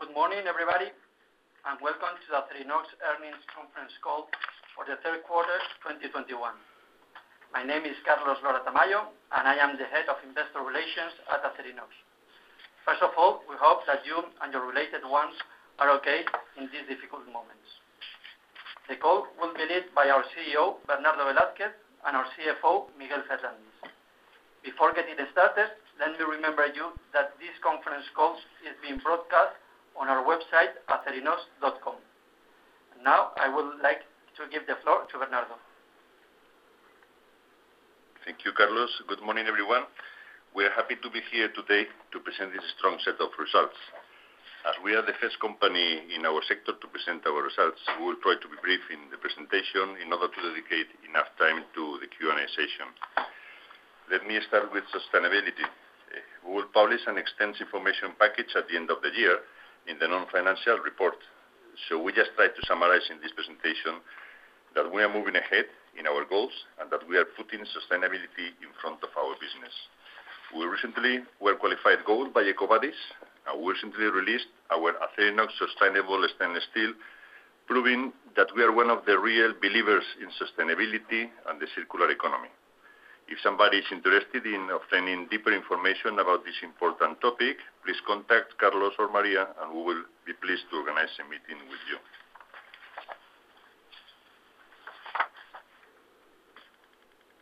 Good morning, everybody, and welcome to the Acerinox Earnings Conference Call for the third quarter 2021. My name is Carlos Lora-Tamayo, and I am the Head of Investor Relations at Acerinox. First of all, we hope that you and your related ones are okay in these difficult moments. The call will be led by our CEO, Bernardo Velázquez, and our CFO, Miguel Ferrandis Torres. Before getting started, let me remind you that this conference call is being broadcast on our website, acerinox.com. Now I would like to give the floor to Bernardo. Thank you, Carlos. Good morning, everyone. We're happy to be here today to present this strong set of results. As we are the first company in our sector to present our results, we will try to be brief in the presentation in order to dedicate enough time to the Q&A session. Let me start with sustainability. We will publish an extensive information package at the end of the year in the non-financial report. We just try to summarize in this presentation that we are moving ahead in our goals and that we are putting sustainability in front of our business. We recently were qualified gold by EcoVadis. We recently released our Acerinox sustainable stainless steel, proving that we are one of the real believers in sustainability and the circular economy. If somebody is interested in obtaining deeper information about this important topic, please contact Carlos or Maria, and we will be pleased to organize a meeting with you.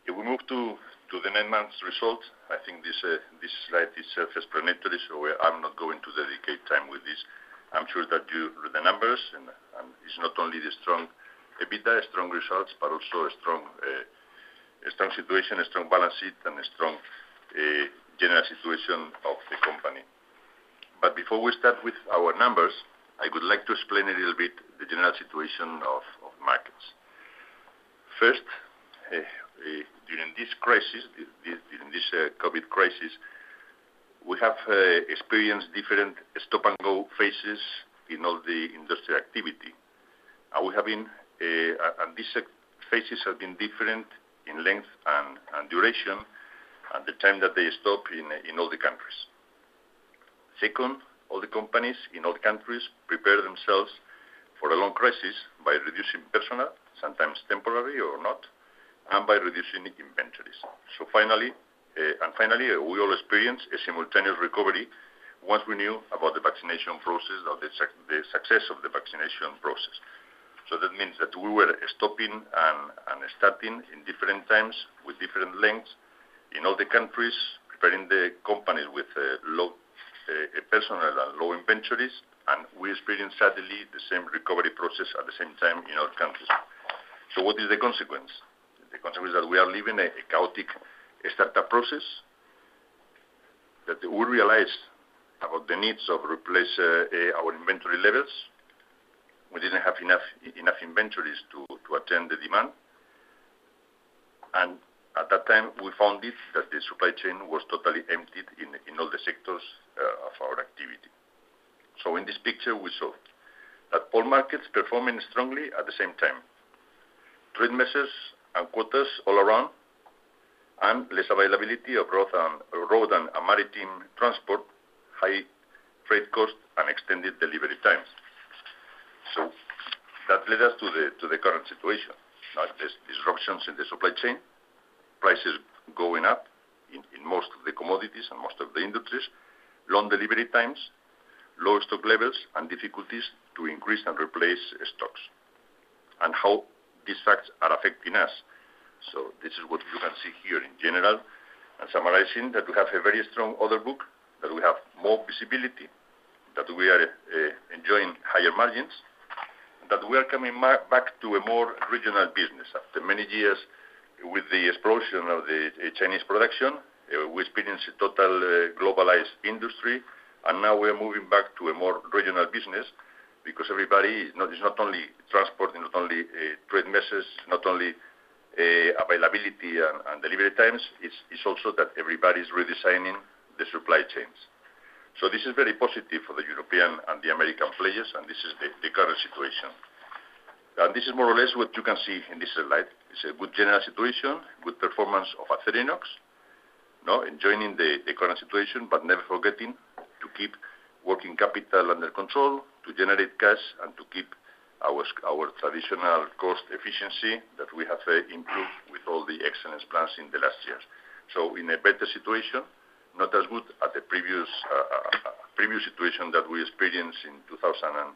If we move to the nine months results, I think this slide is self-explanatory, so I'm not going to dedicate time with this. I'm sure that you read the numbers and it's not only the strong EBITDA, strong results, but also a strong situation, a strong balance sheet and a strong general situation of the company. Before we start with our numbers, I would like to explain a little bit the general situation of markets. First, during this COVID crisis, we have experienced different stop-and-go phases in all the industry activity. We have been. These phases have been different in length and duration and the time that they stop in all the countries. Second, all the companies in all countries prepare themselves for a long crisis by reducing personnel, sometimes temporary or not, and by reducing inventories. We all experience a simultaneous recovery once we knew about the vaccination process or the success of the vaccination process. That means that we were stopping and starting in different times with different lengths in all the countries, preparing the companies with low personnel and low inventories. We experience suddenly the same recovery process at the same time in all countries. What is the consequence? The consequence is that we are living a chaotic starter process, that we realized the need to replace our inventory levels. We didn't have enough inventories to attend the demand. At that time, we found that the supply chain was totally emptied in all the sectors of our activity. In this picture, we saw that all markets performing strongly at the same time. Trade measures and quotas all around, and less availability of goods on road and maritime transport, high freight costs, and extended delivery times. That led us to the current situation. Like there's disruptions in the supply chain, prices going up in most of the commodities and most of the industries, long delivery times, low stock levels, and difficulties to increase and replace stocks, and how these facts are affecting us. This is what you can see here in general, and summarizing that we have a very strong order book, that we have more visibility, that we are enjoying higher margins, that we are coming back to a more regional business after many years with the explosion of the Chinese production. We experienced a total globalized industry, and now we are moving back to a more regional business because everybody is not, it's not only transport, it's not only trade measures, not only availability and delivery times, it's also that everybody's redesigning the supply chains. This is very positive for the European and the American players, and this is the current situation. This is more or less what you can see in this slide. It's a good general situation, good performance of Acerinox. Now, enjoying the current situation, but never forgetting to keep working capital under control, to generate cash, and to keep our traditional cost efficiency that we have improved with all the excellence plans in the last years. In a better situation, not as good as the previous situation that we experienced in 2006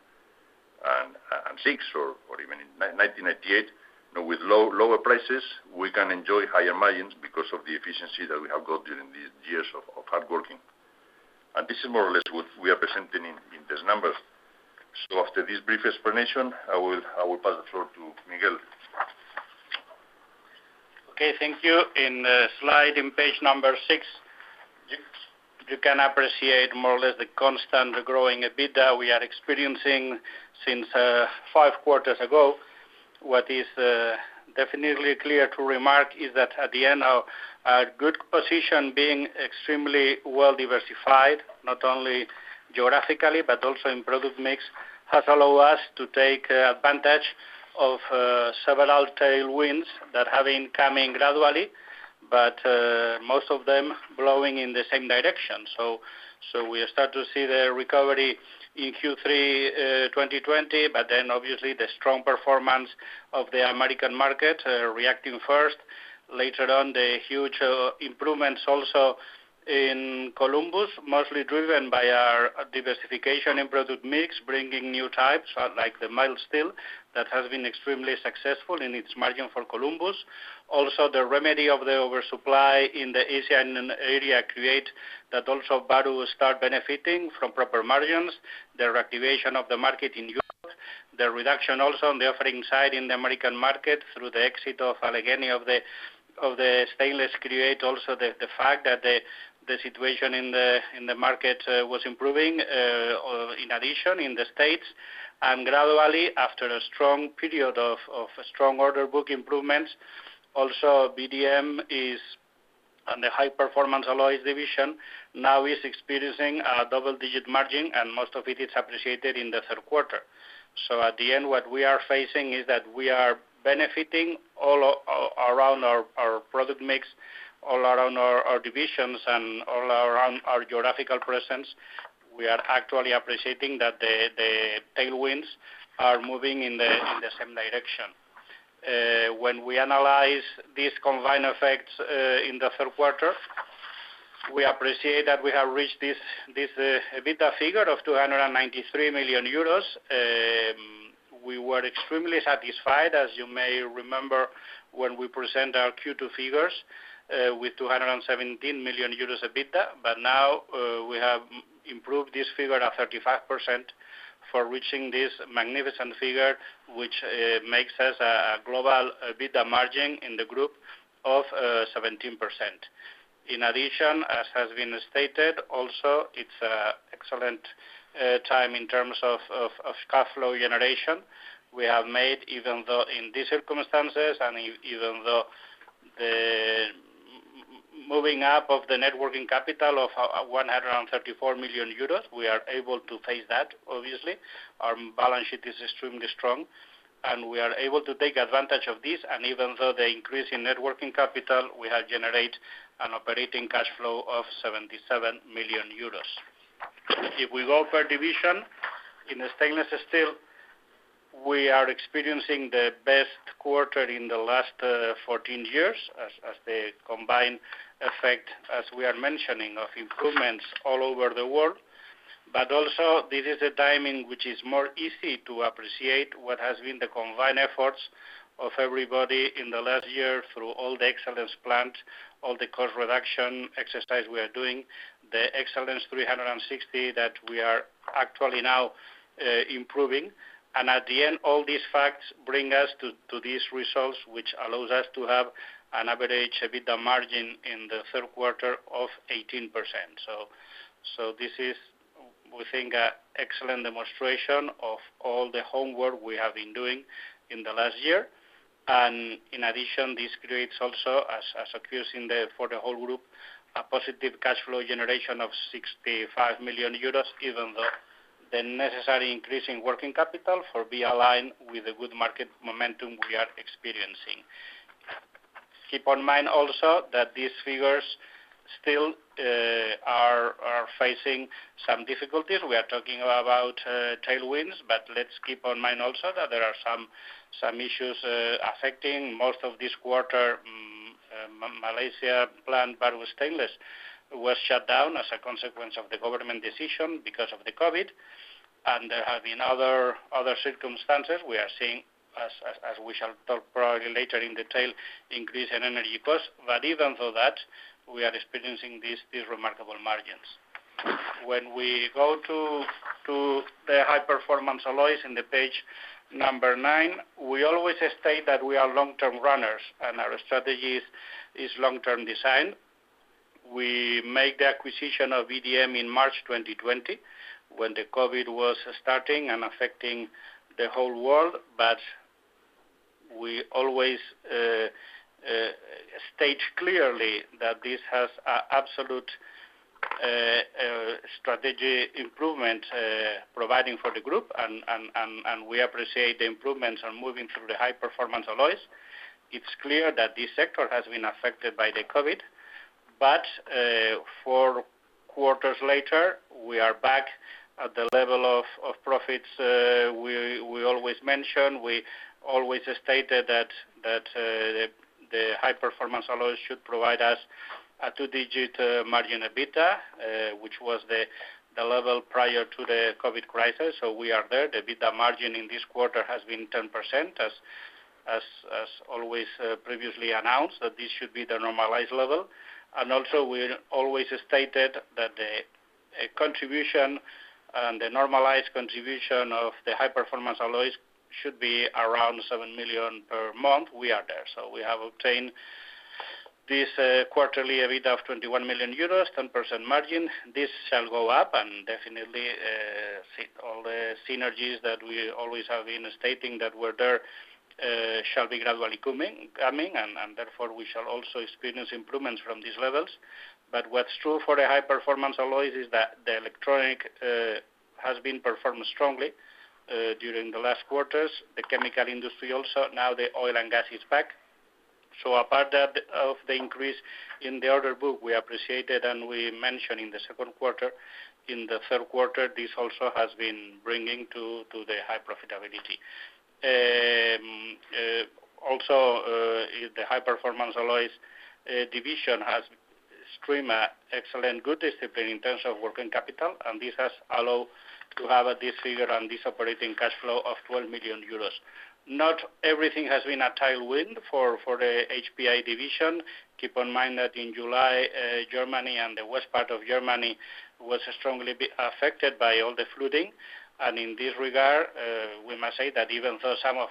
or even in 1998. With lower prices, we can enjoy higher margins because of the efficiency that we have got during these years of hard working. This is more or less what we are presenting in these numbers. After this brief explanation, I will pass the floor to Miguel. Okay, thank you. On slide number six, you can appreciate more or less the constant growing EBITDA we are experiencing since five quarters ago. What is definitely clear to remark is that at the end, our good position being extremely well diversified, not only geographically, but also in product mix, has allowed us to take advantage of several tailwinds that have been coming gradually, most of them blowing in the same direction. We start to see the recovery in Q3 2020, but then obviously the strong performance of the American market reacting first. Later on, the huge improvements also in Columbus, mostly driven by our diversification in product mix, bringing new types like the mild steel that has been extremely successful in its margin for Columbus. Also, the remedy of the oversupply in the Asian area create that also Bahru start benefiting from proper margins. The reactivation of the market in Europe, the reduction also on the offering side in the American market through the exit of Allegheny of the stainless create also the fact that the situation in the market was improving in addition in the States. Gradually, after a strong period of strong order book improvements, also VDM in the high-performance alloys division now is experiencing a double-digit margin, and most of it is appreciated in the third quarter. At the end, what we are facing is that we are benefiting all around our product mix, all around our divisions, and all around our geographical presence. We are actually appreciating that the tailwinds are moving in the same direction. When we analyze these combined effects in the third quarter, we appreciate that we have reached this EBITDA figure of 293 million euros. We were extremely satisfied, as you may remember, when we present our Q2 figures with 217 million euros EBITDA. Now we have improved this figure at 35% for reaching this magnificent figure, which makes us a global EBITDA margin in the group of 17%. In addition, as has been stated also, it's an excellent time in terms of cash flow generation. We have made, even though in these circumstances, and even though the moving up of the net working capital of 134 million euros, we are able to face that, obviously. Our balance sheet is extremely strong, and we are able to take advantage of this. Even though the increase in net working capital, we have generated an operating cash flow of 77 million euros. If we go per division, in the stainless steel, we are experiencing the best quarter in the last 14 years as the combined effect, as we are mentioning, of improvements all over the world. Also this is a timing which is more easy to appreciate what has been the combined efforts of everybody in the last year through all the excellence plans, all the cost reduction exercise we are doing, the Excellence 360º that we are actually now improving. At the end, all these facts bring us to these results, which allows us to have an average EBITDA margin in the third quarter of 18%. This is we think an excellent demonstration of all the homework we have been doing in the last year. In addition, this creates also as occurs in the for the whole group, a positive cash flow generation of 65 million euros, given the the necessary increase in working capital to be aligned with the good market momentum we are experiencing. Keep in mind also that these figures still are facing some difficulties. We are talking about tailwinds, but let's keep in mind also that there are some issues affecting most of this quarter. Malaysia plant, Bahru Stainless was shut down as a consequence of the government decision because of the COVID. There have been other circumstances we are seeing as we shall talk probably later in detail, increase in energy costs. Even through that, we are experiencing these remarkable margins. When we go to the high-performance alloys on page nine, we always state that we are long-term runners, and our strategy is long-term design. We make the acquisition of VDM in March 2020 when the COVID was starting and affecting the whole world. We always state clearly that this has an absolute strategic improvement providing for the group. We appreciate the improvements and moving through the High-Performance Alloys. It's clear that this sector has been affected by the COVID, but four quarters later, we are back at the level of profits we always mention. We always stated that the High-Performance Alloys should provide us a two-digit margin EBITDA, which was the level prior to the COVID crisis. We are there. The EBITDA margin in this quarter has been 10% as always previously announced, that this should be the normalized level. Also we always stated that the contribution and the normalized contribution of the High-Performance Alloys should be around 7 million per month. We are there. We have obtained this quarterly EBITDA of 21 million euros, 10% margin. This shall go up and definitely fit all the synergies that we always have been stating that were there, shall be gradually coming, and therefore we shall also experience improvements from these levels. What's true for the high-performance alloys is that the electronics has performed strongly during the last quarters. The chemical industry also. Now the oil and gas is back. A part of the increase in the order book we appreciated, and we mentioned in the second quarter. In the third quarter, this also has been bringing to the high profitability. Also, the high-performance alloys division has shown excellent discipline in terms of working capital, and this has allowed to have this figure and this operating cash flow of 12 million euros. Not everything has been a tailwind for the HPA division. Keep in mind that in July, Germany and the west part of Germany was strongly affected by all the flooding. In this regard, we must say that even though some of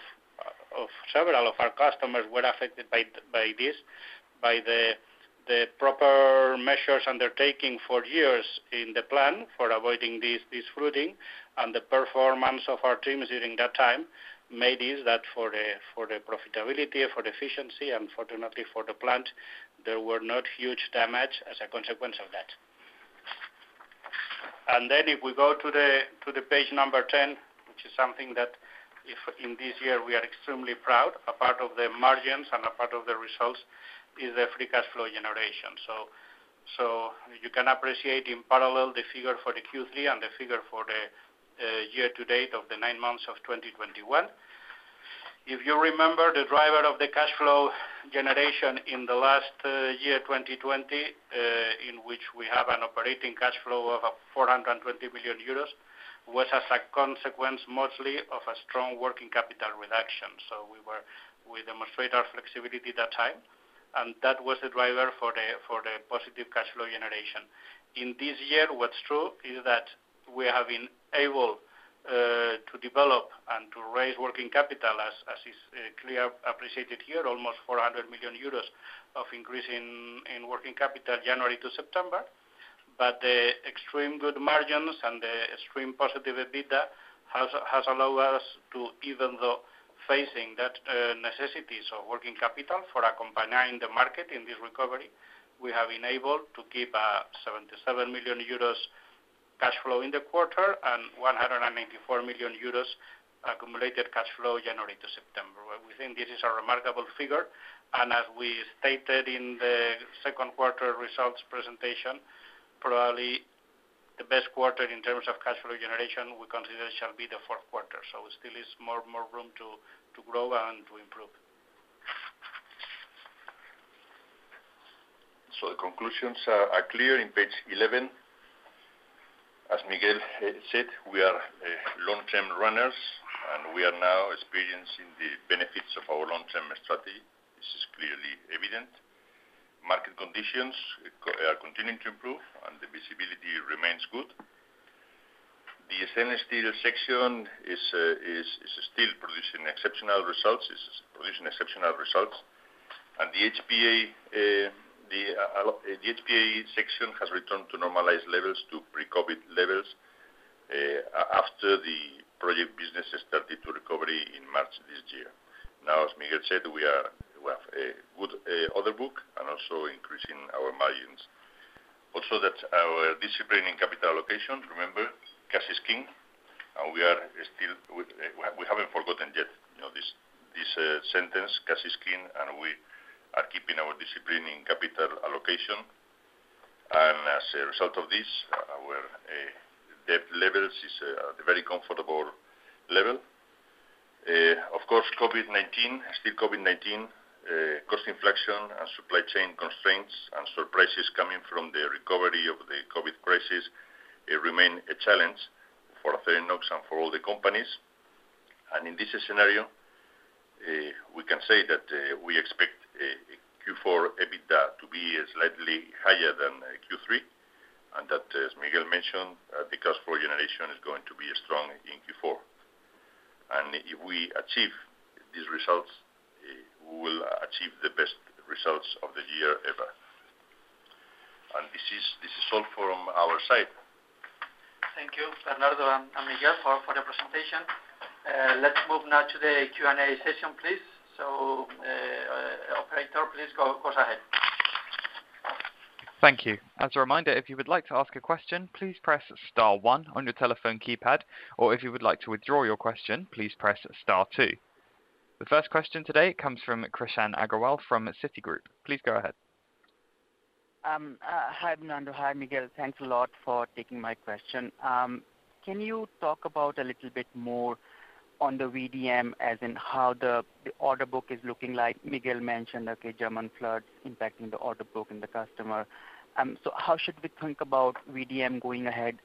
several of our customers were affected by the proper measures undertaken for years in the plan for avoiding this flooding and the performance of our teams during that time mitigated that for the profitability, for the efficiency, and fortunately for the plant, there were not huge damage as a consequence of that. If we go to the page number 10, which is something that if in this year we are extremely proud, a part of the margins and a part of the results is the free cash flow generation. You can appreciate in parallel the figure for the Q3 and the figure for the year-to-date of the nine months of 2021. If you remember the driver of the cash flow generation in the last year, 2020, in which we have an operating cash flow of 420 million euros, was as a consequence mostly of a strong working capital reduction. We demonstrate our flexibility that time, and that was the driver for the positive cash flow generation. In this year, what's true is that we have been able to develop and to raise working capital as is clearly appreciated here, almost 400 million euros of increase in working capital January to September. The extremely good margins and the extremely positive EBITDA has allowed us to, even though facing that necessity of working capital for accompanying the market in this recovery, we have been able to keep 77 million euros cash flow in the quarter and 194 million euros accumulated cash flow January to September. We think this is a remarkable figure, and as we stated in the second quarter results presentation, probably the best quarter in terms of cash flow generation we consider shall be the fourth quarter. There still is more room to grow and to improve. The conclusions are clear on page 11. As Miguel said, we are long-term runners, and we are now experiencing the benefits of our long-term strategy. This is clearly evident. Market conditions are continuing to improve and the visibility remains good. The Stainless Steel section is still producing exceptional results. The HPA section has returned to normalized levels, to pre-COVID levels, after the project business started to recover in March this year. Now, as Miguel said, we have a good order book and also increasing our margins. Also that our discipline in capital allocation, remember, cash is king, and we haven't forgotten yet, you know, this sentence, cash is king, and we are keeping our discipline in capital allocation. As a result of this, our debt levels is at a very comfortable level. Of course, COVID-19, still COVID-19, cost inflation and supply chain constraints and surprises coming from the recovery of the COVID crisis remain a challenge for Acerinox and for all the companies. In this scenario, we can say that we expect Q4 EBITDA to be slightly higher than Q3, and that, as Miguel mentioned, the cash flow generation is going to be strong in Q4. If we achieve these results, we will achieve the best results of the year ever. This is all from our side. Thank you, Bernardo and Miguel for the presentation. Let's move now to the Q&A session, please. Operator, please go ahead. Thank you. As a reminder, if you would like to ask a question, please press star one on your telephone keypad, or if you would like to withdraw your question, please press star two. The first question today comes from Krishan Agarwal from Citigroup. Please go ahead. Hi, Bernardo. Hi, Miguel. Thanks a lot for taking my question. Can you talk about a little bit more on the VDM as in how the order book is looking like? Miguel mentioned, okay, German floods impacting the order book and the customer. How should we think about VDM going ahead,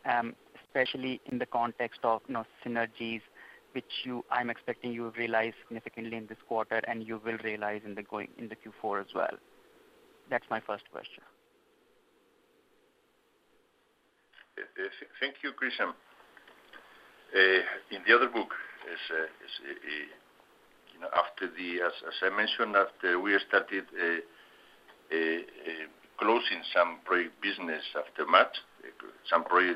especially in the context of, you know, synergies I'm expecting you realize significantly in this quarter and you will realize in the Q4 as well? That's my first question. Thank you, Krishan. The order book is, you know, after, as I mentioned, after we started closing some projects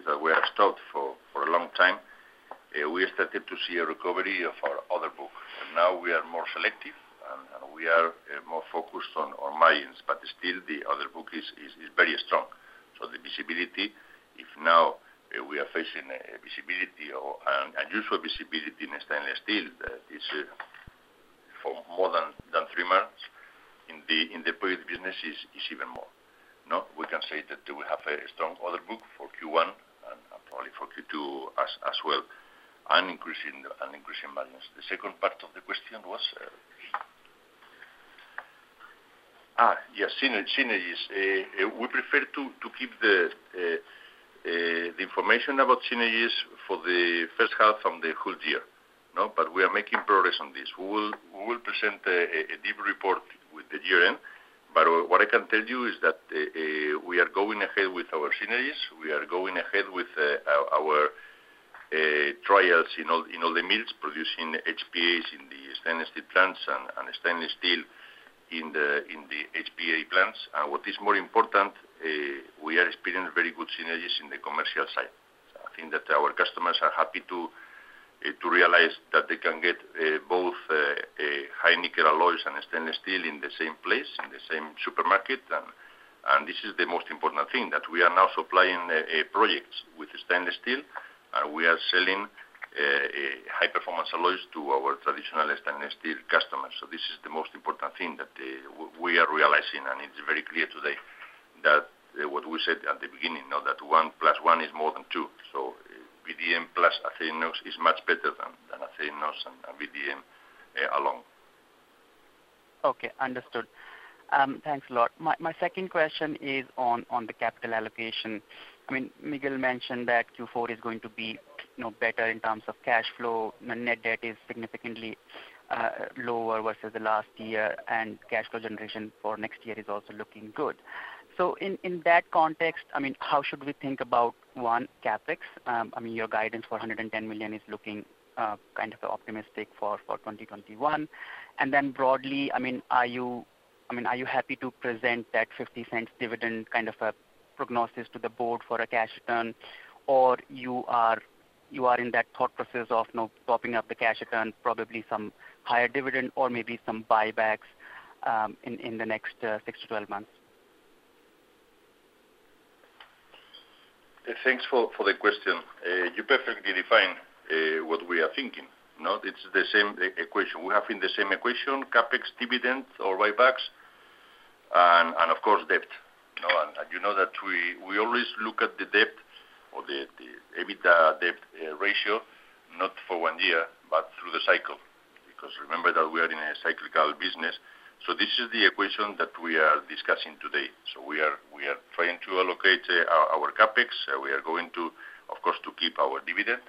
that were stopped for a long time. We started to see a recovery of our order book. Now we are more selective and we are more focused on margins, but still the order book is very strong. So the visibility we are now facing, an unusual visibility in stainless steel, is for more than three months, in the product business is even more. Now, we can say that we have a strong order book for Q1 and probably for Q2 as well, and increasing margins. The second part of the question was, yes, synergies. We prefer to keep the information about synergies for the first half from the whole year. No, we are making progress on this. We will present a deep report with the year-end. What I can tell you is that we are going ahead with our synergies. We are going ahead with our trials in all the mills, producing HPAs in the stainless steel plants and stainless steel in the HPA plants. What is more important, we are experiencing very good synergies in the commercial side. I think that our customers are happy to realize that they can get both a high nickel alloys and a stainless steel in the same place, in the same supermarket. This is the most important thing, that we are now supplying projects with stainless steel, and we are selling high-performance alloys to our traditional stainless steel customers. This is the most important thing that we are realizing, and it's very clear today that what we said at the beginning, you know that one plus one is more than two. VDM plus Acerinox is much better than Acerinox and VDM alone. Okay, understood. Thanks a lot. My second question is on the capital allocation. I mean, Miguel mentioned that Q4 is going to be, you know, better in terms of cash flow. The net debt is significantly lower versus the last year, and cash flow generation for next year is also looking good. In that context, I mean, how should we think about, one, CapEx? I mean, your guidance for 110 million is looking kind of optimistic for 2021. Then broadly, I mean, are you happy to present that 0.50 dividend, kind of a prognosis to the board for a cash return? You are in that thought process of, you know, propping up the cash return, probably some higher dividend or maybe some buybacks, in the next 6-12 months. Thanks for the question. You perfectly defined what we are thinking. Now, it's the same equation. We have in the same equation, CapEx, dividend or buybacks, and of course, debt. You know, and you know that we always look at the debt or the EBITDA debt ratio, not for one year, but through the cycle, because remember that we are in a cyclical business. This is the equation that we are discussing today. We are trying to allocate our CapEx. We are going to, of course, keep our dividend.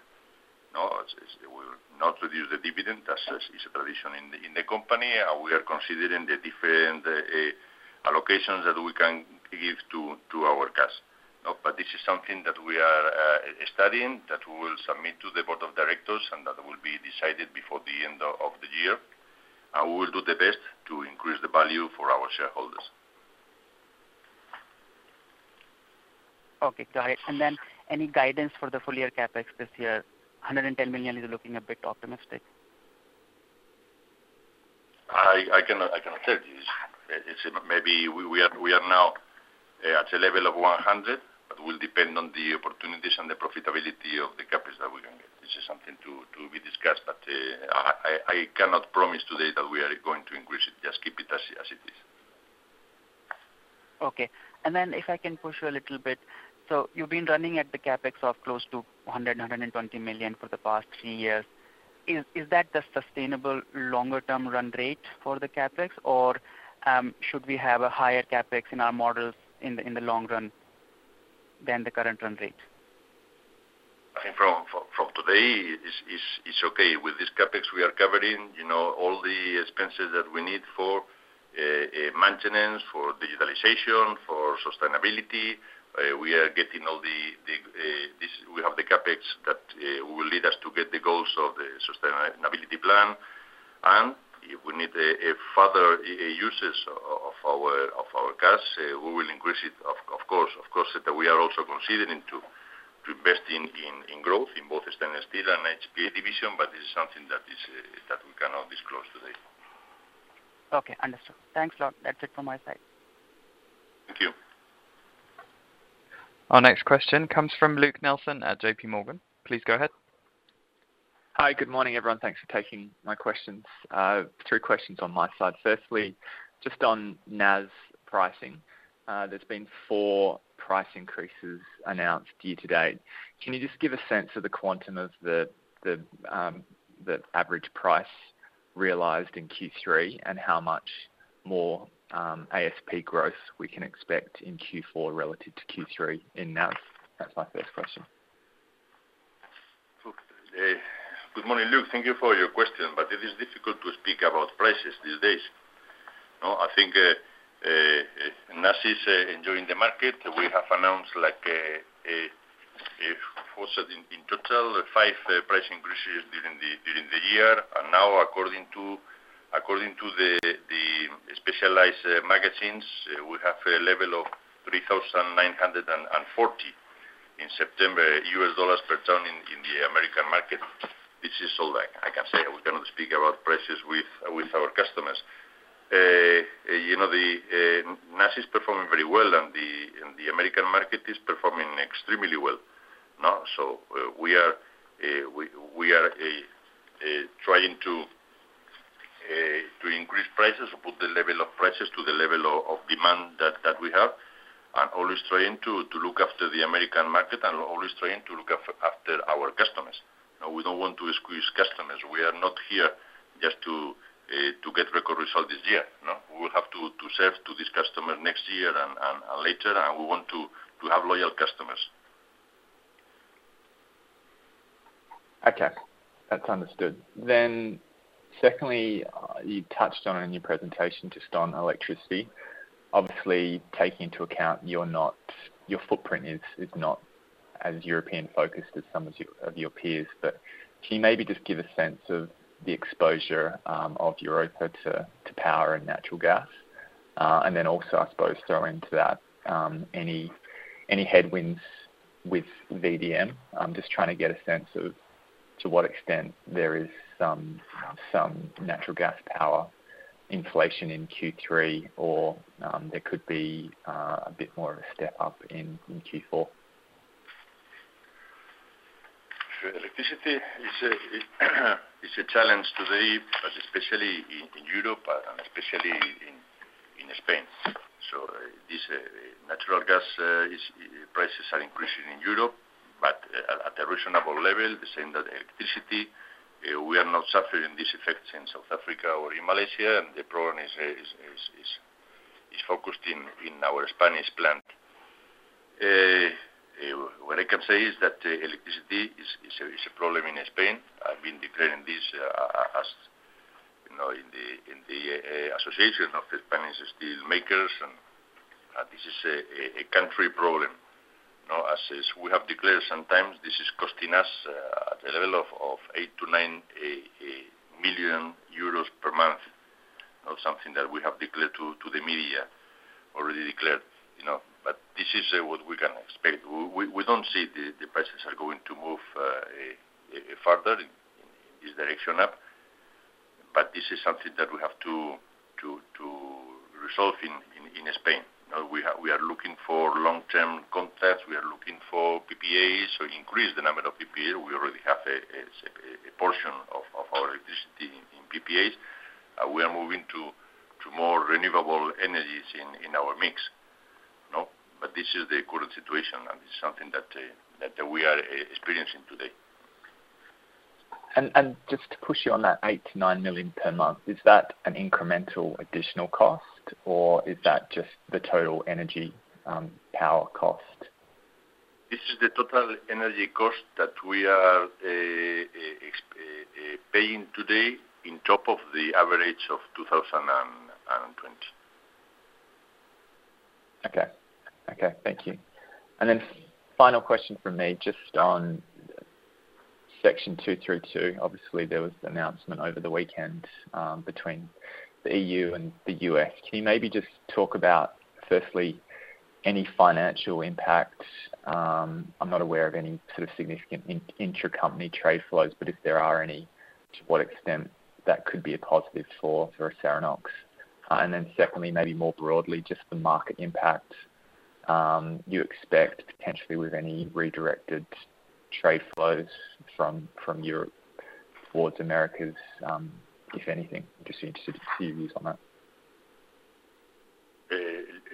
No, it's we will not reduce the dividend as it's a tradition in the company. We are considering the different allocations that we can give to our cash. This is something that we are studying, that we will submit to the board of directors, and that will be decided before the end of the year. We will do the best to increase the value for our shareholders. Okay, got it. Any guidance for the full year CapEx this year? 110 million is looking a bit optimistic. I cannot tell you. It's maybe we are now at a level of 100, but will depend on the opportunities and the profitability of the CapEx that we're going to get. This is something to be discussed, but I cannot promise today that we are going to increase it, just keep it as it is. Okay. If I can push you a little bit. You've been running at the CapEx of close to 120 million for the past three years. Is that the sustainable longer term run rate for the CapEx? Or should we have a higher CapEx in our models in the long run than the current run rate? I think from today, it's okay. With this CapEx, we are covering, you know, all the expenses that we need for maintenance, for digitalization, for sustainability. We have the CapEx that will lead us to get the goals of the sustainability plan. If we need a further uses of our cash, we will increase it of course. Of course, that we are also considering to invest in growth in both the stainless steel and HPA division, but this is something that we cannot disclose today. Okay, understood. Thanks a lot. That's it from my side. Thank you. Our next question comes from Luke Nelson at JPMorgan. Please go ahead. Hi. Good morning, everyone. Thanks for taking my questions. Three questions on my side. Firstly, just on NAS pricing, there's been four price increases announced year to date. Can you just give a sense of the quantum of the average price realized in Q3 and how much more ASP growth we can expect in Q4 relative to Q3 in NAS? That's my first question. Good morning, Luke. Thank you for your question, but it is difficult to speak about prices these days. You know, I think NAS is enjoying the market. We have announced like four in total five price increases during the year. Now, according to the specialized magazines, we have a level of $3,940 in September US dollars per ton in the American market. This is all that I can say. We cannot speak about prices with our customers. You know, the NAS is performing very well, and the American market is performing extremely well. Now, we are trying to increase prices or put the level of prices to the level of demand that we have, and always trying to look after the American market and always trying to look after our customers. We don't want to squeeze customers. We are not here just to get record results this year, no. We will have to serve this customer next year and later, and we want to have loyal customers. Okay. That's understood. Secondly, you touched on it in your presentation just on electricity. Obviously, taking into account your footprint is not as European-focused as some of your peers, but can you maybe just give a sense of the exposure of Europa to power and natural gas? Then also, I suppose, throw into that any headwinds with VDM. I'm just trying to get a sense of to what extent there is some natural gas and power inflation in Q3 or there could be a bit more of a step-up in Q4. Electricity is a challenge today, but especially in Europe and especially in Spain. Natural gas prices are increasing in Europe, but at a reasonable level, the same as electricity. We are not suffering this effect in South Africa or in Malaysia, and the problem is focused in our Spanish plant. What I can say is that electricity is a problem in Spain. I've been declaring this as, you know, in the association of the Spanish steel makers, and this is a country problem. You know, as we have declared sometimes, this is costing us a level of 8 million-9 million euros per month. You know, something that we have declared to the media, already declared, you know. This is what we can expect. We don't see the prices are going to move further in this direction up. This is something that we have to resolve in Spain. You know, we are looking for long-term contracts. We are looking for PPAs or increase the number of PPA. We already have a portion of our electricity in PPAs. We are moving to more renewable energies in our mix. You know. This is the current situation, and it's something that we are experiencing today. Just to push you on that 8 million-9 million per month, is that an incremental additional cost or is that just the total energy, power cost? This is the total energy cost that we are paying today on top of the average of 2020. Okay. Okay, thank you. Final question from me, just on Section 232. Obviously, there was the announcement over the weekend between the EU and the U.S. Can you maybe just talk about, firstly, any financial impact? I'm not aware of any sort of significant intracompany trade flows, but if there are any, to what extent that could be a positive for Acerinox? Then secondly, maybe more broadly, just the market impact you expect potentially with any redirected trade flows from Europe towards Americas, if anything. Just interested to see your views on that.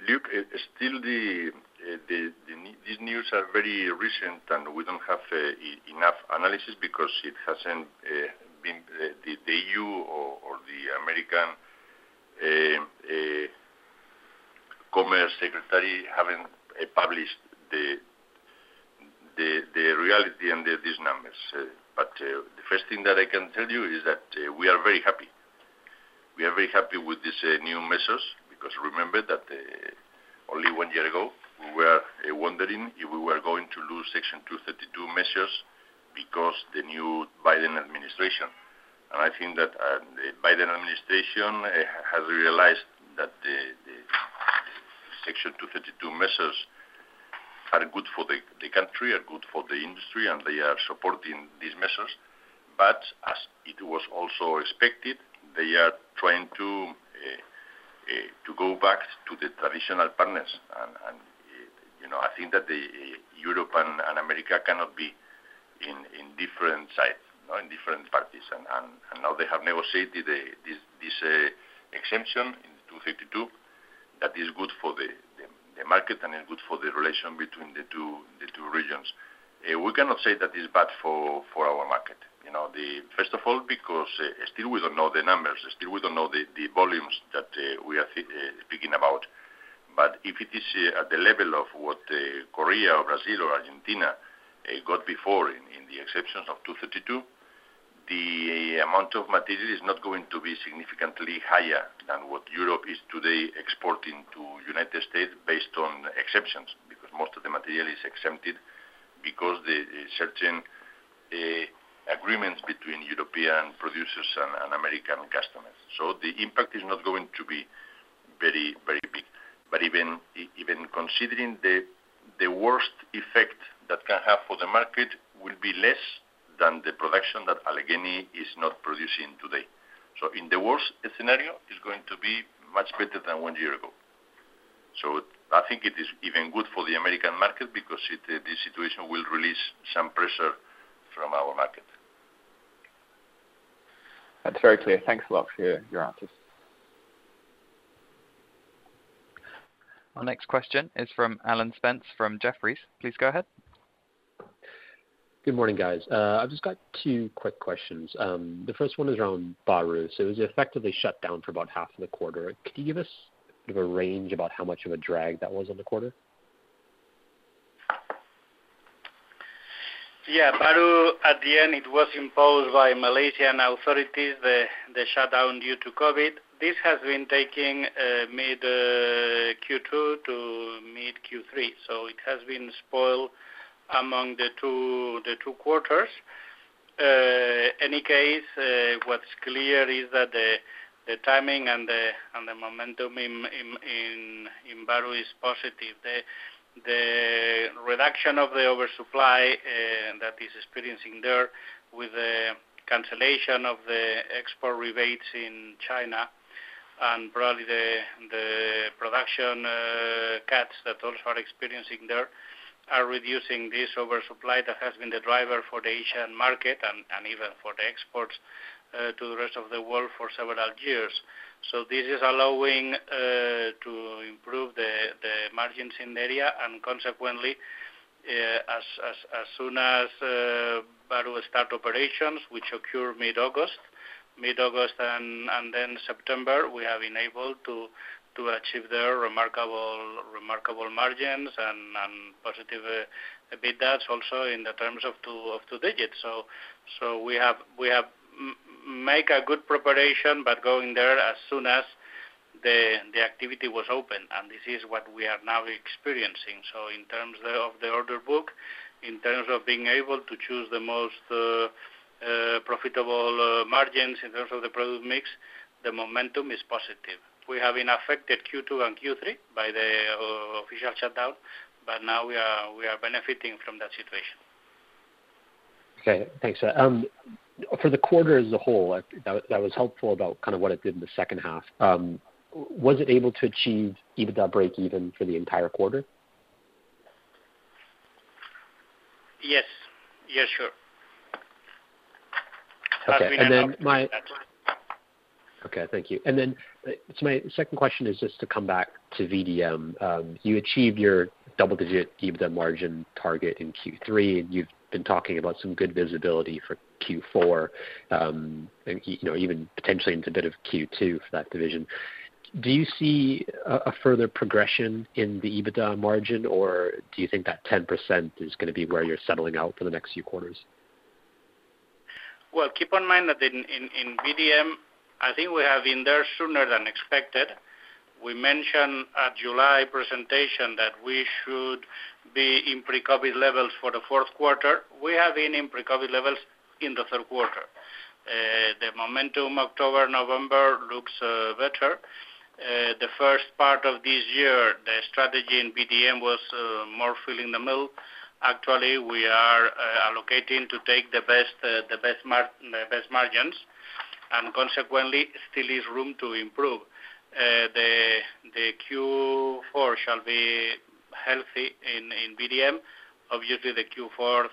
Luke, still these news are very recent, and we don't have enough analysis because the EU or the American commerce secretary haven't published the reality and these numbers. The first thing that I can tell you is that we are very happy. We are very happy with these new measures because remember that only one year ago, we were wondering if we were going to lose Section 232 measures because the new Biden administration. I think that the Biden administration has realized that the Section 232 measures are good for the country, are good for the industry, and they are supporting these measures. As it was also expected, they are trying to go back to the traditional partners. You know, I think that the Europe and America cannot be in different sides, you know, in different parties. Now they have negotiated the exemption in Section 232 that is good for the market and is good for the relation between the two regions. We cannot say that is bad for our market. You know, First of all, because still we don't know the numbers, still we don't know the volumes that we are speaking about. If it is at the level of what Korea or Brazil or Argentina got before in the exceptions of Section 232, the amount of material is not going to be significantly higher than what Europe is today exporting to United States based on exceptions. Material is exempted because the certain agreements between European producers and American customers. The impact is not going to be very big. Even considering the worst effect that can have for the market will be less than the production that Allegheny is not producing today. In the worst scenario, it's going to be much better than one year ago. I think it is even good for the American market because the situation will release some pressure from our market. That's very clear. Thanks a lot for your answers. Our next question is from Alan Spence from Jefferies. Please go ahead. Good morning, guys. I've just got two quick questions. The first one is around Bahru. It was effectively shut down for about half of the quarter. Could you give us the range about how much of a drag that was on the quarter? Yeah. Bahru, at the end, it was imposed by Malaysian authorities, the shutdown due to COVID. This has been taking mid Q2 to mid Q3, so it has been split among the two quarters. In any case, what's clear is that the timing and the momentum in Bahru is positive. The reduction of the oversupply that is experiencing there with the cancellation of the export rebates in China and probably the production cuts that also are experiencing there are reducing this oversupply that has been the driver for the Asian market and even for the exports to the rest of the world for several years. So this is allowing to improve the margins in the area, and consequently, as soon as Bahru start operations, which occur mid-August. Mid-August and then September, we have been able to achieve very remarkable margins and positive EBITDAs also in terms of two digits. We have made a good preparation by going there as soon as the activity was open, and this is what we are now experiencing. In terms of the order book, in terms of being able to choose the most profitable margins, in terms of the product mix, the momentum is positive. We have been affected Q2 and Q3 by the official shutdown, but now we are benefiting from that situation. Okay. Thanks. For the quarter as a whole, that was helpful about kind of what it did in the second half. Was it able to achieve EBITDA breakeven for the entire quarter? Yes. Yes, sure. Okay. We don't have that one. Okay. Thank you. My second question is just to come back to VDM. You achieved your double-digit EBITDA margin target in Q3, and you've been talking about some good visibility for Q4, and you know, even potentially into a bit of Q2 for that division. Do you see a further progression in the EBITDA margin, or do you think that 10% is gonna be where you're settling out for the next few quarters? Well, keep in mind that in VDM, I think we have been there sooner than expected. We mentioned at July presentation that we should be in pre-COVID levels for the fourth quarter. We have been in pre-COVID levels in the third quarter. The momentum October, November looks better. The first part of this year, the strategy in VDM was more filling the mill. Actually, we are allocating to take the best margins, and consequently there still is room to improve. The Q4 shall be healthy in VDM. Obviously, the Q4,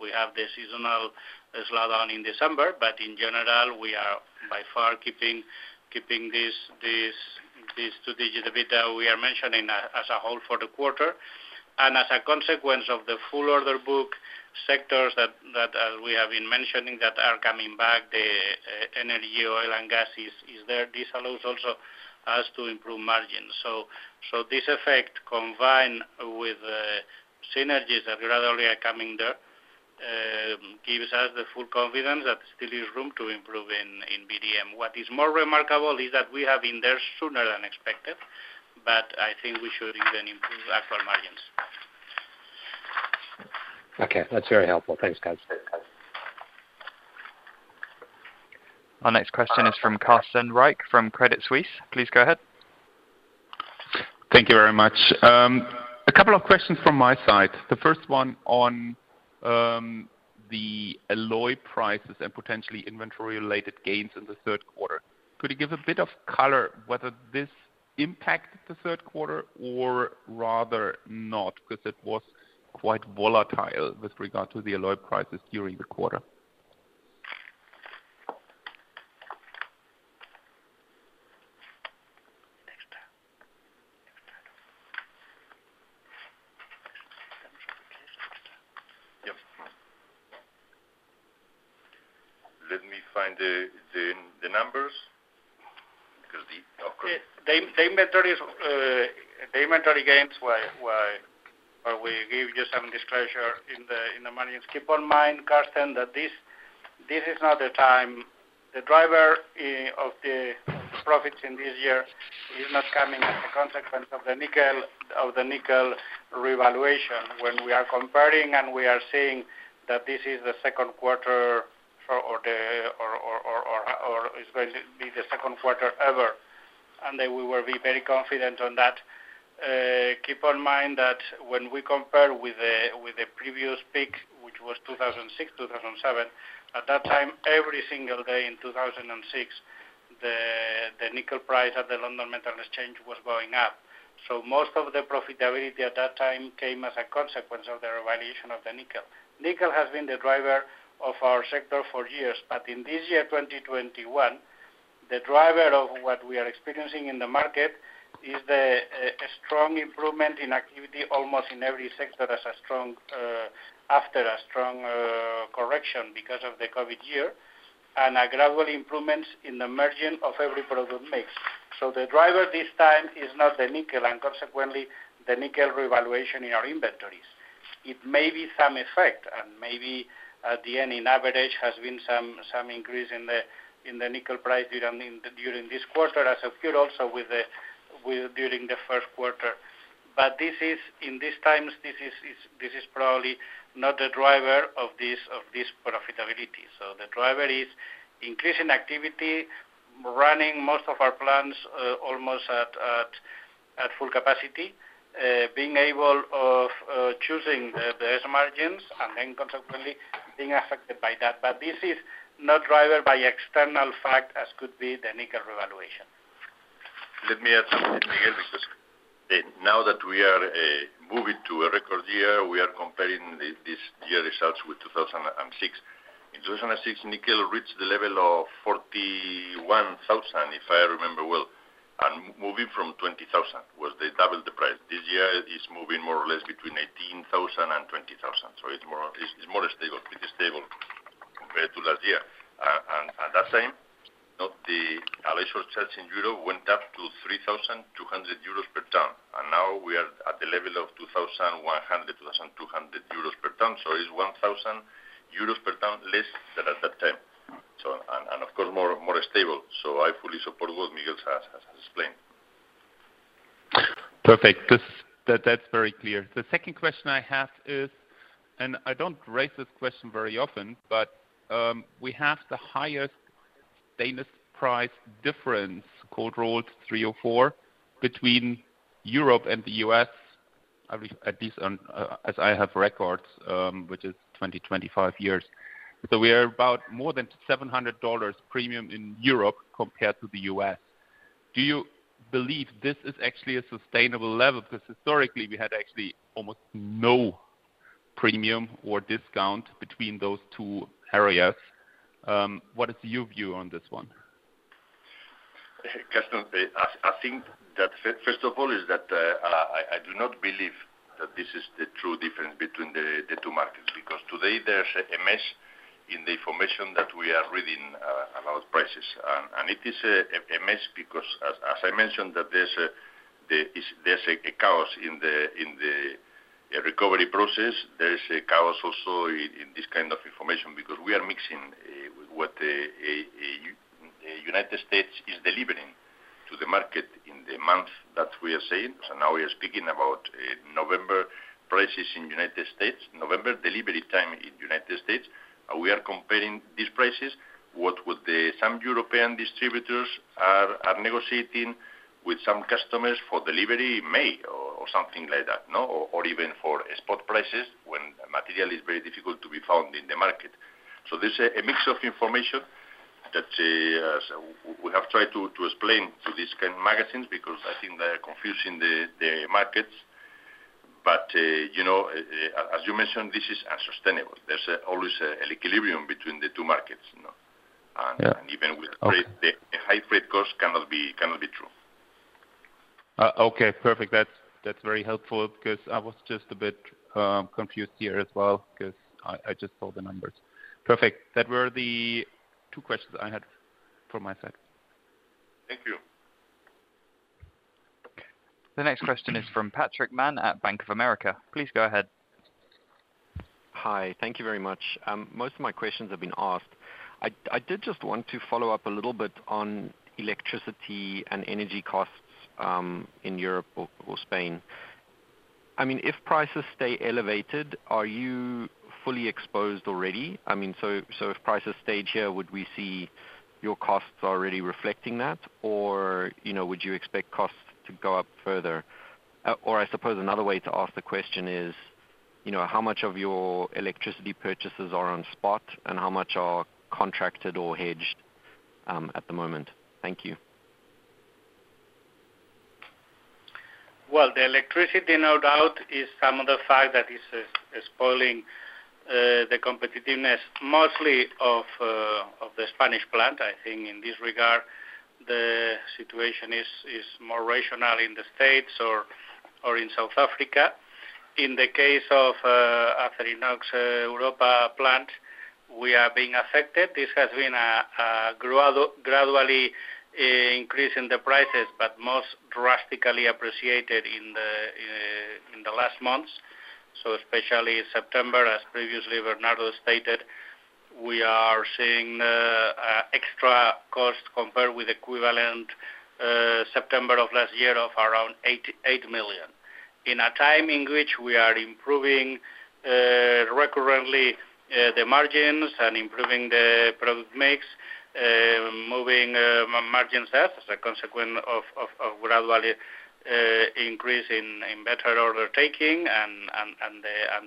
we have the seasonal slowdown in December, but in general, we are by far keeping this two-digit EBITDA we are mentioning as a whole for the quarter. As a consequence of the full order book sectors that we have been mentioning that are coming back, the energy, oil and gas is there. This allows also us to improve margins. This effect combined with synergies that gradually are coming there gives us the full confidence that still is room to improve in VDM. What is more remarkable is that we have been there sooner than expected, but I think we should even improve actual margins. Okay. That's very helpful. Thanks, guys. Our next question is from Carsten Riek from Credit Suisse. Please go ahead. Thank you very much. A couple of questions from my side. The first one on the alloy prices and potentially inventory-related gains in the third quarter. Could you give a bit of color whether this impacted the third quarter or rather not? Because it was quite volatile with regard to the alloy prices during the quarter. Let me find the numbers. The inventory gains were where we give you some disclosure in the margins. Keep in mind, Carsten, that this is not the time. The driver of the profits in this year is not coming as a consequence of the nickel revaluation. When we are comparing and we are seeing that this is the second quarter or is going to be the second quarter ever, and then we will be very confident on that. Keep in mind that when we compare with the previous peak, which was 2006, 2007, at that time, every single day in 2006, the nickel price at the London Metal Exchange was going up. Most of the profitability at that time came as a consequence of the revaluation of the nickel. Nickel has been the driver of our sector for years. But in this year, 2021, the driver of what we are experiencing in the market is a strong improvement in activity, almost in every sector after a strong correction because of the COVID year, and a gradual improvement in the margin of every product mix. The driver this time is not the nickel, and consequently, the nickel revaluation in our inventories. It may be some effect, and maybe at the end, in average, has been some increase in the nickel price during this quarter as appeared also during the first quarter. This is, in these times, this is probably not the driver of this profitability. The driver is increasing activity, running most of our plants almost at full capacity, being able to choose the best margins, and then consequently being affected by that. This is not driven by external factors such as could be the nickel revaluation. Let me add now that we are moving to a record year. We are comparing this year results with 2006. In 2006, nickel reached the level of 41,000, if I remember well. Moving from 20,000 was double the price. This year, it is moving more or less between 18,000 and 20,000. It's more stable. It is stable compared to last year. That time, the electrical charge in Europe went up to 3,200 euros per ton. Now we are at the level of 2,100-2,200 euros per ton. It's 1,000 euros per ton less than at that time. Of course, more stable. I fully support what Miguel has explained. Perfect. That's very clear. The second question I have is, and I don't raise this question very often, but we have the highest stainless price difference, cold rolled 304, between Europe and the U.S., at least as I have records, which is 20-25 years. We are about more than $700 premium in Europe compared to the U.S. Do you believe this is actually a sustainable level? Because historically, we had actually almost no premium or discount between those two areas. What is your view on this one? Carsten, I think that first of all is that I do not believe that this is the true difference between the two markets, because today there's a mess in the information that we are reading about prices. It is a mess because as I mentioned, that there's a chaos in the recovery process. There is a chaos also in this kind of information because we are mixing what United States is delivering to the market in the month that we are seeing. Now we are speaking about November prices in United States, November delivery time in United States. We are comparing these prices to what some European distributors are negotiating with some customers for delivery in May or something like that, no? Even for spot prices when material is very difficult to be found in the market. There's a mix of information that so we have tried to explain to these kind of magazines because I think they are confusing the markets. You know, as you mentioned, this is unsustainable. There's always an equilibrium between the two markets, you know? Yeah. Okay. Even with freight, the high freight cost cannot be true. Okay. Perfect. That's very helpful because I was just a bit confused here as well because I just saw the numbers. Perfect. That were the two questions I had from my side. Thank you. The next question is from Patrick Mann at Bank of America. Please go ahead. Hi. Thank you very much. Most of my questions have been asked. I did just want to follow up a little bit on electricity and energy costs, in Europe or Spain. I mean, if prices stay elevated, are you fully exposed already? I mean, so if prices stayed here, would we see your costs already reflecting that? Or, you know, would you expect costs to go up further? Or I suppose another way to ask the question is, you know, how much of your electricity purchases are on spot and how much are contracted or hedged, at the moment? Thank you. Well, the electricity, no doubt, is one of the factors that is spoiling the competitiveness, mostly of the Spanish plant. I think in this regard, the situation is more rational in the States or in South Africa. In the case of Acerinox Europa plant, we are being affected. This has been a gradual increase in the prices, but most drastically appreciated in the last months. Especially September, as previously Bernardo stated, we are seeing extra cost compared with equivalent September of last year of around 88 million. In a time in which we are improving recurrently the margins and improving the product mix, moving margins as a consequence of gradual increase in better order taking and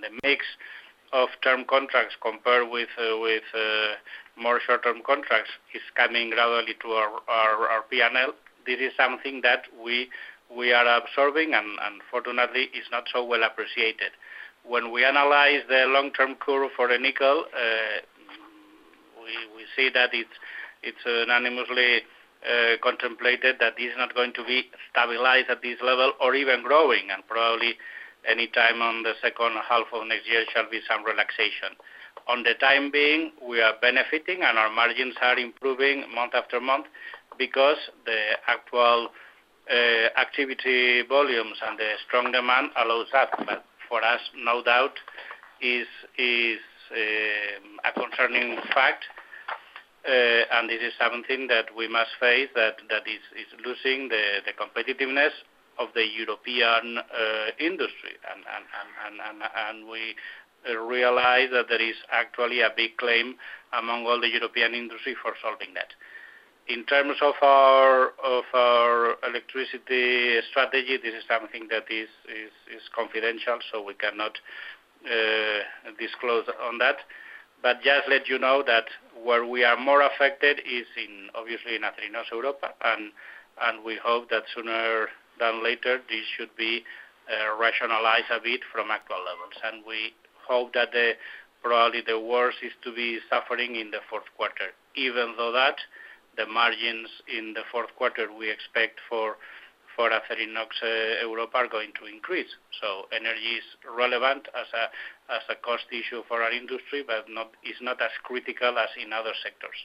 the mix of term contracts compared with more short-term contracts is coming gradually to our PNL. This is something that we are observing and fortunately is not so well appreciated. When we analyze the long-term curve for the nickel, we see that it's unanimously contemplated that it is not going to be stabilized at this level or even growing. Probably any time in the second half of next year shall be some relaxation. For the time being, we are benefiting and our margins are improving month after month because the actual activity volumes and the strong demand allows that. For us, no doubt it is a concerning fact. This is something that we must face, that is losing the competitiveness of the European industry. We realize that there is actually a big claim among all the European industry for solving that. In terms of our electricity strategy, this is something that is confidential, so we cannot disclose on that. Just let you know that where we are more affected is, obviously, in Acerinox Europa and we hope that sooner than later, this should be rationalized a bit from actual levels. We hope that probably the worst is to be suffering in the fourth quarter. Even though the margins in the fourth quarter we expect for Acerinox Europa are going to increase. Energy is relevant as a cost issue for our industry, but it's not as critical as in other sectors.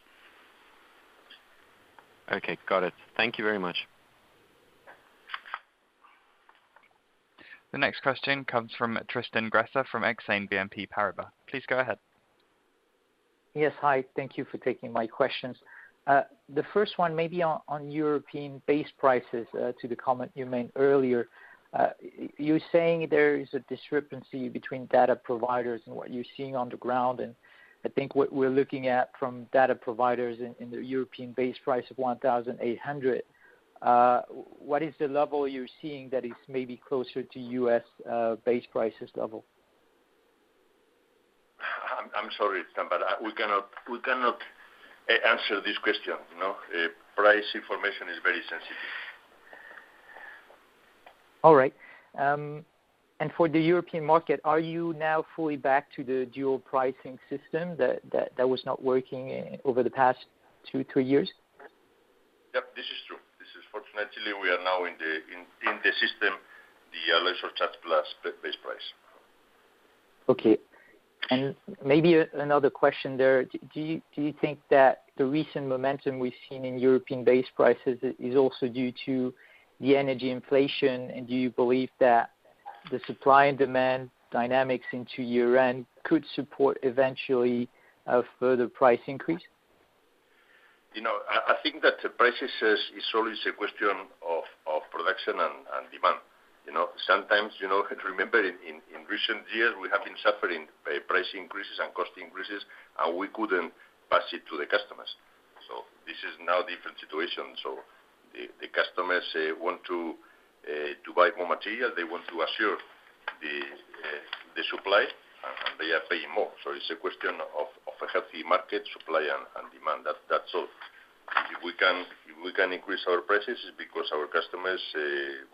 Okay. Got it. Thank you very much. The next question comes from Tristan Gresser from Exane BNP Paribas. Please go ahead. Yes. Hi. Thank you for taking my questions. The first one maybe on European base prices, to the comment you made earlier. You're saying there is a discrepancy between data providers and what you're seeing on the ground. I think what we're looking at from data providers in the European base price of 1,800. What is the level you're seeing that is maybe closer to U.S. base prices level? I'm sorry, but we cannot answer this question. No. Price information is very sensitive. All right. For the European market, are you now fully back to the dual pricing system that was not working over the past two, three years? Yep, this is true. Fortunately, we are now in the system, the alloy surcharge plus base price. Okay. Maybe another question there. Do you think that the recent momentum we've seen in European base prices is also due to the energy inflation? Do you believe that the supply and demand dynamics into year-end could support eventually a further price increase? You know, I think that prices is always a question of production and demand. You know, sometimes, you know, if you remember in recent years, we have been suffering price increases and cost increases, and we couldn't pass it to the customers. This is now different situation. The customers want to buy more material. They want to assure the supply, and they are paying more. It's a question of a healthy market supply and demand. That's all. If we can increase our prices, it's because our customers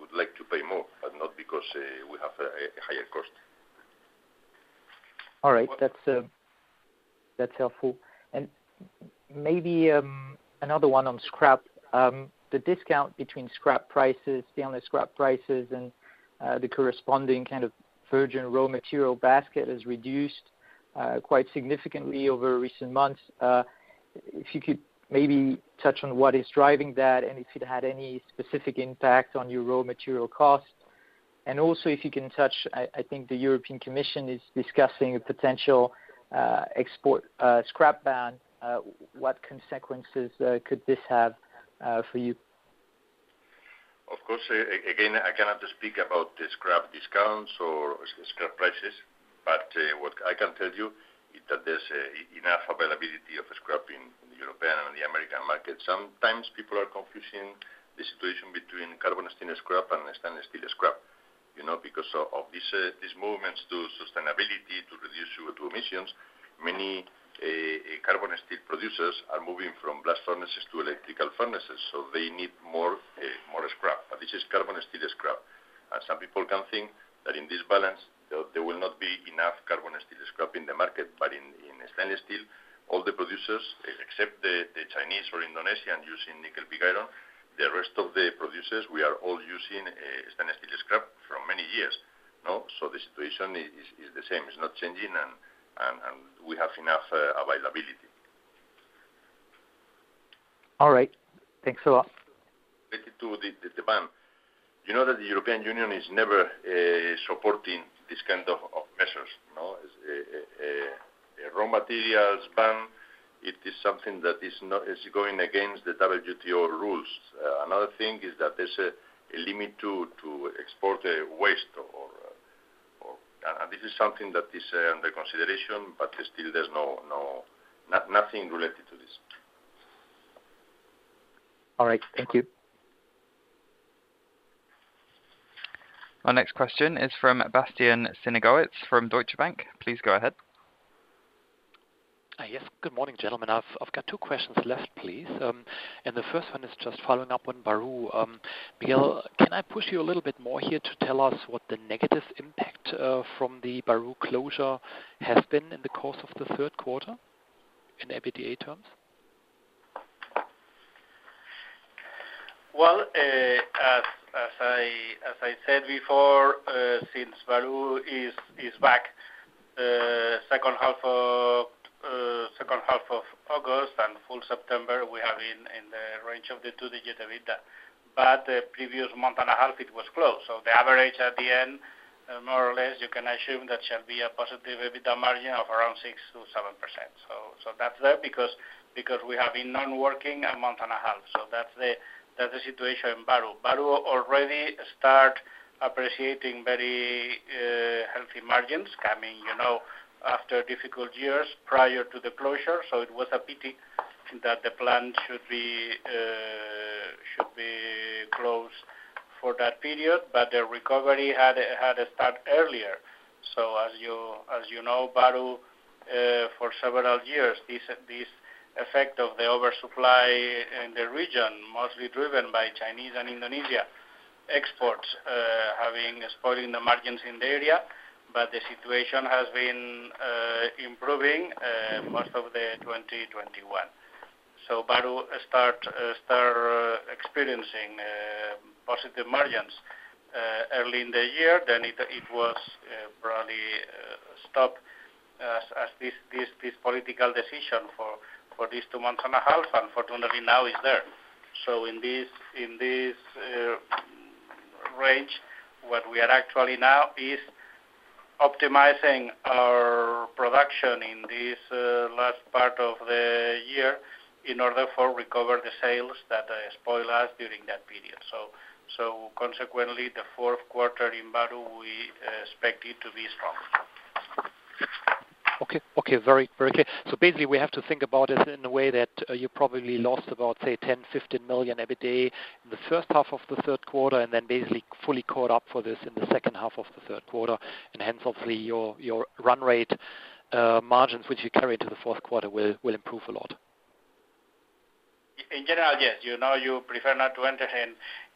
would like to pay more, but not because we have a higher cost. All right. That's helpful. Maybe another one on scrap. The discount between scrap prices, stainless scrap prices and the corresponding kind of virgin raw material basket has reduced quite significantly over recent months. If you could maybe touch on what is driving that and if it had any specific impact on your raw material costs. Also, if you can touch, I think the European Commission is discussing a potential export scrap ban. What consequences could this have for you? Of course. Again, I cannot speak about the scrap discounts or scrap prices, but what I can tell you is that there's enough availability of scrap in the European and the American market. Sometimes people are confusing the situation between carbon steel scrap and stainless steel scrap. You know, because of these movements to sustainability to reduce CO2 emissions, many carbon steel producers are moving from blast furnaces to electric furnaces, so they need more scrap. But this is carbon steel scrap. Some people can think that in this balance there will not be enough carbon steel scrap in the market. In stainless steel, all the producers except the Chinese or Indonesian using nickel pig iron, the rest of the producers, we are all using stainless steel scrap for many years. No? The situation is the same. It's not changing. We have enough availability. All right. Thanks a lot. Related to the ban. You know that the European Union is never supporting this kind of measures, you know. Raw materials ban, it is something that is going against the WTO rules. Another thing is that there's a limit to export waste or. This is something that is under consideration, but still there's no nothing related to this. All right. Thank you. Our next question is from Bastian Synagowitz from Deutsche Bank. Please go ahead. Yes. Good morning, gentlemen. I've got two questions left, please. The first one is just following up on Bahru. Miguel, can I push you a little bit more here to tell us what the negative impact from the Bahru closure has been in the course of the third quarter in EBITDA terms? As I said before, since Bahru is back, the second half of August and full September, we have been in the range of the two-digit EBITDA. The previous month and a half, it was closed. The average at the end, more or less, you can assume that shall be a positive EBITDA margin of around 6%-7%. That's that because we have been non-working a month and a half. That's the situation in Bahru. Bahru already start appreciating very healthy margins coming, you know, after difficult years prior to the closure. It was a pity that the plant should be closed for that period, but the recovery had a start earlier. As you know, Bahru, for several years, this effect of the oversupply in the region, mostly driven by Chinese and Indonesian exports, spoiling the margins in the area. The situation has been improving most of 2021. Bahru started experiencing positive margins early in the year. It was probably stopped as this political decision for these two and a half months, unfortunately, now is there. In this range, what we are actually doing now is optimizing our production in this last part of the year in order to recover the sales that spoiled us during that period. Consequently, the fourth quarter in Bahru, we expect it to be strong. Okay. Very clear. Basically, we have to think about it in a way that you probably lost about, say, 10 million-15 million every day in the first half of the third quarter, and then basically fully caught up for this in the second half of the third quarter. Hence, obviously, your run rate margins, which you carry into the fourth quarter, will improve a lot. In general, yes. You know you prefer not to enter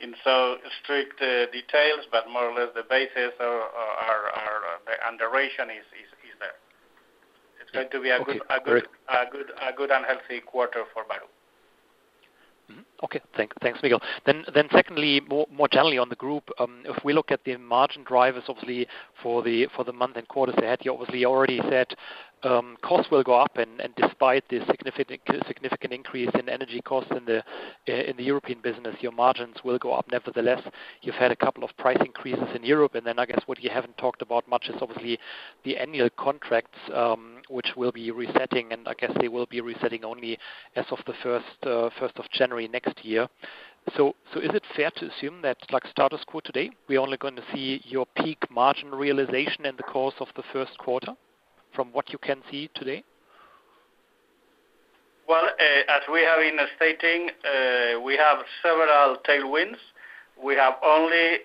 in so strict details, but more or less the basis are and duration is there. It's going to be a good Okay. Great. A good and healthy quarter for Bahru. Okay. Thanks, Miguel. Then secondly, more generally on the group, if we look at the margin drivers, obviously, for the month and quarters ahead, you obviously already said, costs will go up and despite the significant increase in energy costs in the European business, your margins will go up. Nevertheless, you've had a couple of price increases in Europe, and then I guess what you haven't talked about much is obviously the annual contracts, which will be resetting, and I guess they will be resetting only as of the first of January next year. So is it fair to assume that like status quo today, we are only going to see your peak margin realization in the course of the first quarter from what you can see today? Well, as we have been stating, we have several tailwinds. We have only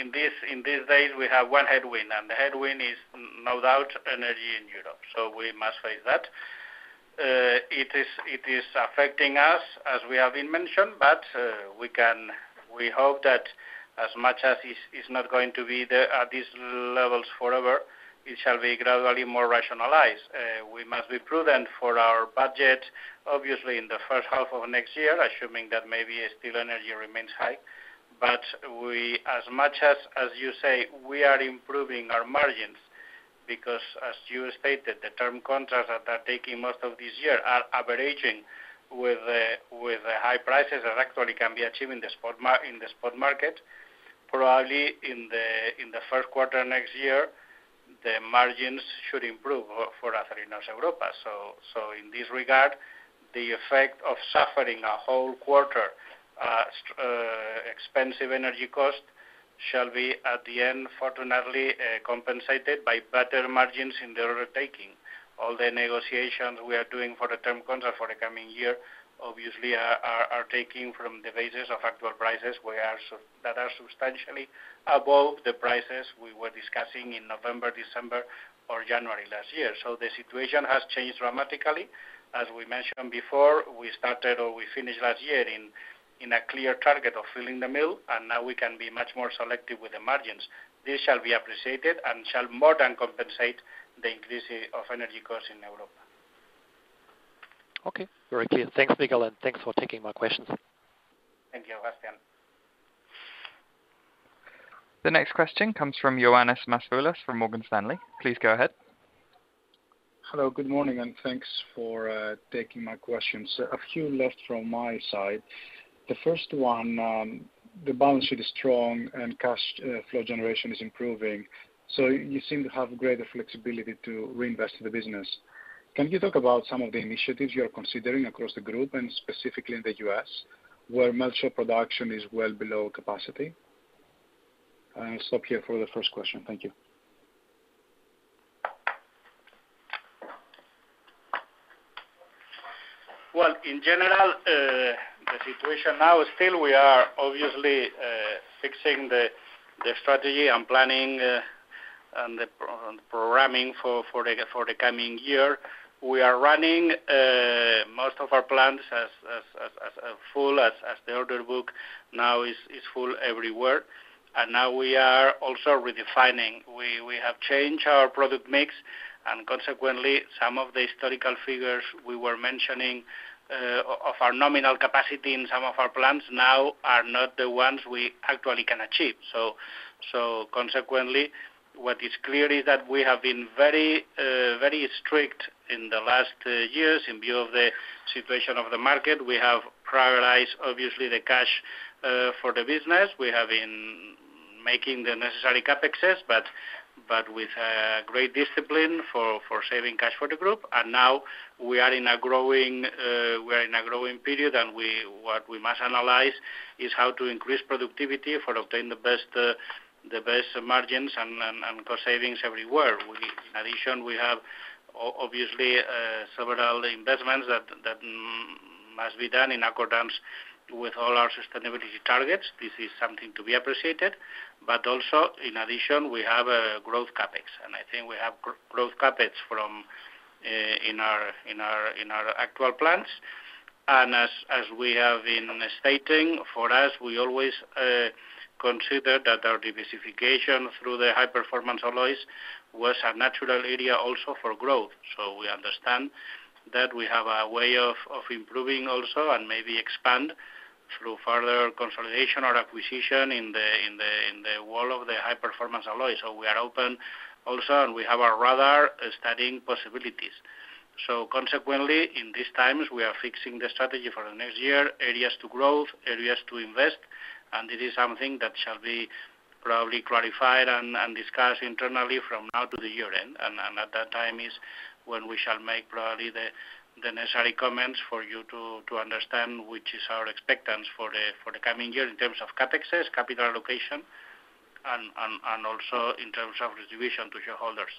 in these days one headwind, and the headwind is no doubt energy in Europe. We must face that. It is affecting us as we have mentioned, but we hope that as much as it is, it is not going to be there at these levels forever. It shall be gradually more rationalized. We must be prudent for our budget, obviously, in the first half of next year, assuming that maybe still energy remains high. We, as much as you say, are improving our margins because as you stated, the term contracts that are taking most of this year are averaging with the high prices that actually can be achieved in the spot market. Probably in the first quarter next year, the margins should improve for Acerinox Europa. In this regard, the effect of suffering a whole quarter expensive energy cost shall be at the end, fortunately, compensated by better margins in the retaking. All the negotiations we are doing for the term contract for the coming year, obviously are taking from the basis of actual prices that are substantially above the prices we were discussing in November, December or January last year. The situation has changed dramatically. As we mentioned before, we started or we finished last year in a clear target of filling the mill, and now we can be much more selective with the margins. This shall be appreciated and shall more than compensate the increase of energy costs in Europa. Okay. Very clear. Thanks, Miguel, and thanks for taking my questions. Thank you, Bastian. The next question comes from Ioannis Masvoulas from Morgan Stanley. Please go ahead. Hello, good morning, and thanks for taking my questions. A few left from my side. The first one, the balance sheet is strong and cash flow generation is improving, so you seem to have greater flexibility to reinvest in the business. Can you talk about some of the initiatives you are considering across the group and specifically in the U.S., where much of production is well below capacity? I'll stop here for the first question. Thank you. Well, in general, the situation now is still we are obviously fixing the strategy and planning and the programming for the coming year. We are running most of our plants as full as the order book now is full everywhere. Now we are also redefining. We have changed our product mix, and consequently, some of the historical figures we were mentioning of our nominal capacity in some of our plants now are not the ones we actually can achieve. Consequently, what is clear is that we have been very strict in the last years in view of the situation of the market. We have prioritized, obviously, the cash for the business. We have been making the necessary CapEx with great discipline for saving cash for the group. Now we are in a growing period, and what we must analyze is how to increase productivity for obtain the best margins and cost savings everywhere. In addition, we have obviously several investments that must be done in accordance with all our sustainability targets. This is something to be appreciated. Also, in addition, we have a growth CapEx, and I think we have growth CapEx from in our actual plans. As we have been stating, for us, we always consider that our diversification through the high-performance alloys was a natural area also for growth. We understand that we have a way of improving also and maybe expand through further consolidation or acquisition in the world of the high-performance alloys. We are open also, and we have our radar studying possibilities. Consequently, in these times, we are fixing the strategy for the next year, areas to growth, areas to invest, and it is something that shall be probably clarified and discussed internally from now to the year-end. At that time is when we shall make probably the necessary comments for you to understand which is our expectations for the coming year in terms of CapEx, capital allocation, and also in terms of distribution to shareholders.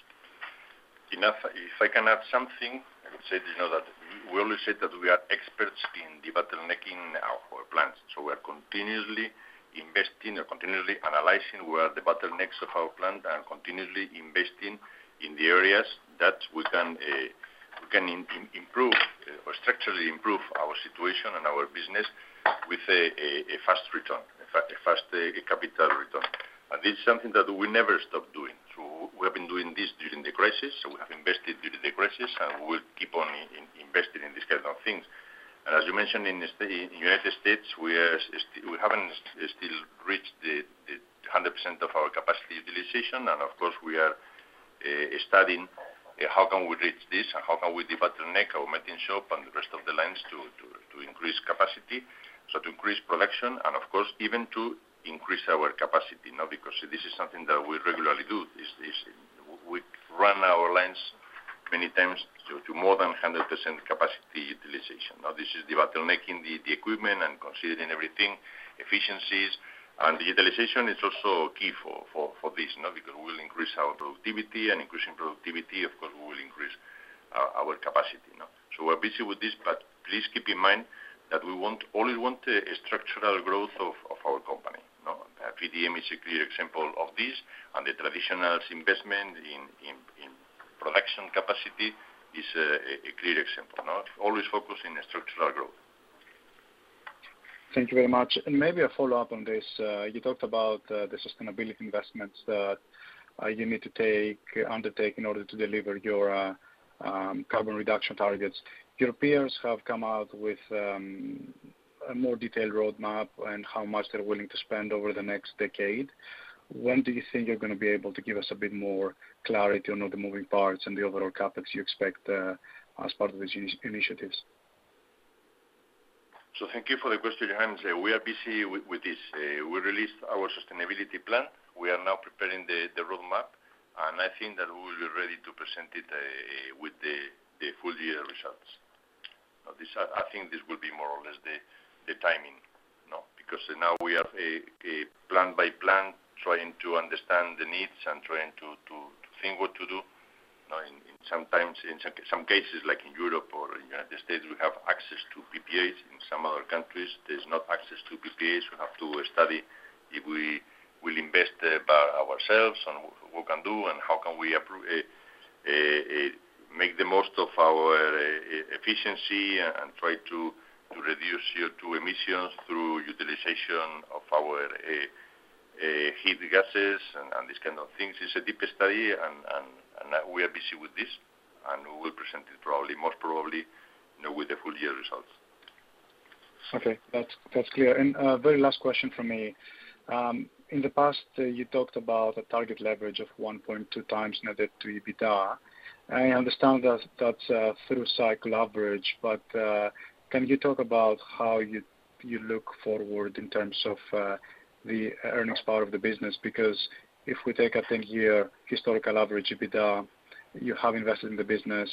If I can add something, I would say that, you know that we always said that we are experts in debottlenecking our plants. We are continuously investing or continuously analyzing where the bottlenecks of our plant are, continuously investing in the areas that we can improve or structurally improve our situation and our business with a fast return, in fact, a fast capital return. This is something that we never stop doing. We have been doing this during the crisis, so we have invested during the crisis, and we will keep on investing in these kind of things. As you mentioned, in the United States, we still haven't reached the 100% of our capacity utilization. Of course, we are studying how can we reach this and how can we debottleneck our melting shop and the rest of the lines to increase capacity. To increase production and of course, even to increase our capacity, you know, because this is something that we regularly do, is this, we run our lines many times to more than 100% capacity utilization. Now, this is debottlenecking the equipment and considering everything, efficiencies. The utilization is also key for this, you know, because we will increase our productivity and increasing productivity, of course, we will increase our capacity, you know. We're busy with this, but please keep in mind that we want always want a structural growth of our company, you know. VDM is a clear example of this, and the traditional investment in production capacity is a clear example, you know. Always focus in a structural growth. Thank you very much. Maybe a follow-up on this. You talked about the sustainability investments that you need to undertake in order to deliver your carbon reduction targets. Europeans have come out with a more detailed roadmap and how much they're willing to spend over the next decade. When do you think you're gonna be able to give us a bit more clarity on all the moving parts and the overall CapEx you expect as part of these initiatives? Thank you for the question, Ioannis. We are busy with this. We released our sustainability plan. We are now preparing the roadmap, and I think that we will be ready to present it with the full year results. Now, this I think this will be more or less the timing, you know, because now we have a plan by plan trying to understand the needs and trying to think what to do. You know, in sometimes, in some cases, like in Europe or in United States, we have access to PPAs. In some other countries, there's no access to PPAs. We have to study if we will invest by ourselves and what we can do and how can we make the most of our efficiency and try to reduce CO2 emissions through utilization of our heat gases and these kind of things. It's a deep study and we are busy with this, and we will present it probably, most probably, you know, with the full year results. Okay, that's clear. Very last question from me. In the past, you talked about a target leverage of 1.2x net debt to EBITDA. I understand that that's a through cycle average, but can you talk about how you look forward in terms of the earnings part of the business? Because if we take a 10-year historical average EBITDA, you have invested in the business,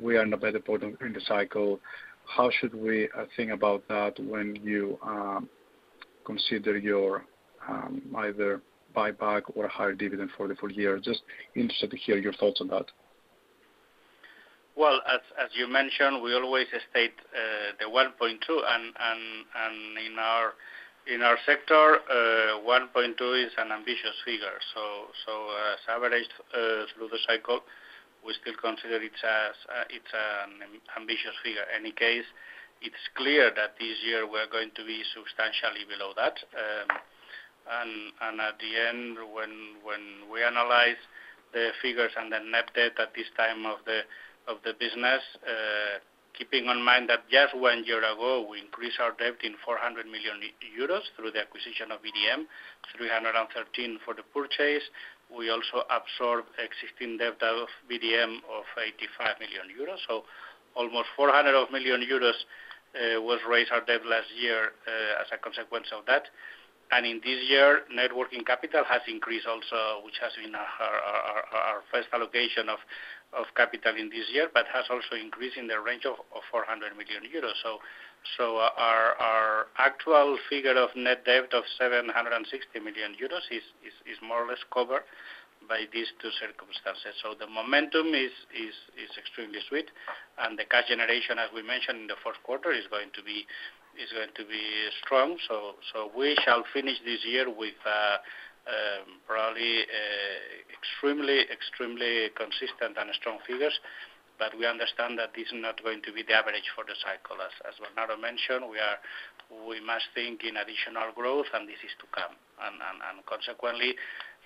we are in a better point in the cycle. How should we think about that when you consider your either buyback or higher dividend for the full year? Just interested to hear your thoughts on that. Well, as you mentioned, we always state the 1.2 and in our sector 1.2 is an ambitious figure. As averaged through the cycle, we still consider it an ambitious figure. In any case, it's clear that this year we're going to be substantially below that. At the end, when we analyze the figures and the net debt at this time of the business, keeping in mind that just one year ago, we increased our debt in 400 million euros through the acquisition of VDM, 313 million for the purchase. We also absorbed existing debt of VDM of 85 million euros. Almost 400 million euros was raised our debt last year as a consequence of that. In this year, net working capital has increased also, which has been our first allocation of capital in this year, but has also increased in the range of 400 million euros. Our actual figure of net debt of 760 million euros is more or less covered by these two circumstances. The momentum is extremely sweet. The cash generation, as we mentioned in the first quarter, is going to be strong. We shall finish this year with probably extremely consistent and strong figures. We understand that this is not going to be the average for the cycle. As Bernardo mentioned, we must think in additional growth, and this is to come. Consequently,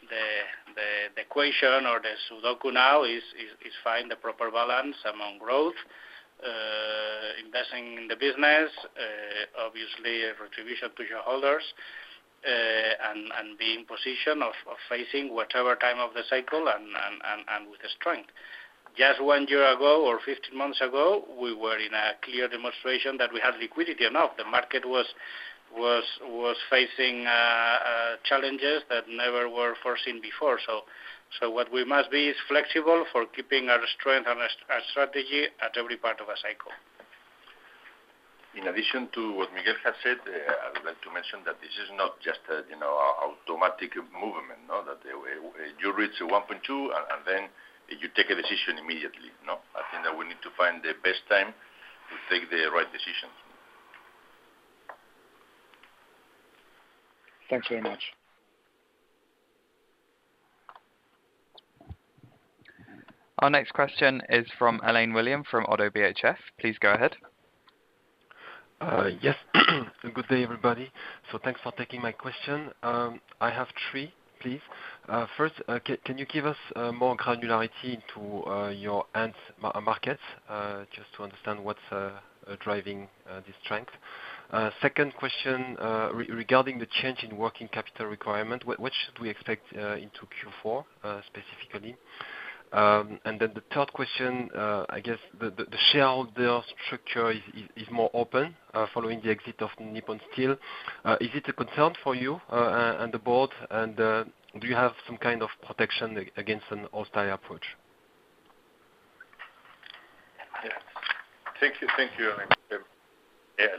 the equation or the sudoku now is find the proper balance among growth, investing in the business, obviously a distribution to shareholders, and be in position of facing whatever time of the cycle and with strength. Just one year ago or 15 months ago, we were in a clear demonstration that we had liquidity enough. The market was facing challenges that never were foreseen before. What we must be is flexible for keeping our strength and our strategy at every part of a cycle. In addition to what Miguel has said, I would like to mention that this is not just an automatic movement. No. That you reach 1.2, and then you take a decision immediately. No. I think that we need to find the best time to take the right decisions. Thank you very much. Our next question is from Alain William from ODDO BHF. Please go ahead. Yes. Good day, everybody. Thanks for taking my question. I have three, please. First, can you give us more granularity into your end markets, just to understand what's driving this strength? Second question, regarding the change in working capital requirement, what should we expect into Q4, specifically? The third question, I guess the shareholder structure is more open following the exit of Nippon Steel. Is it a concern for you and the board, and do you have some kind of protection against a hostile approach? Thank you. Thank you, Alain.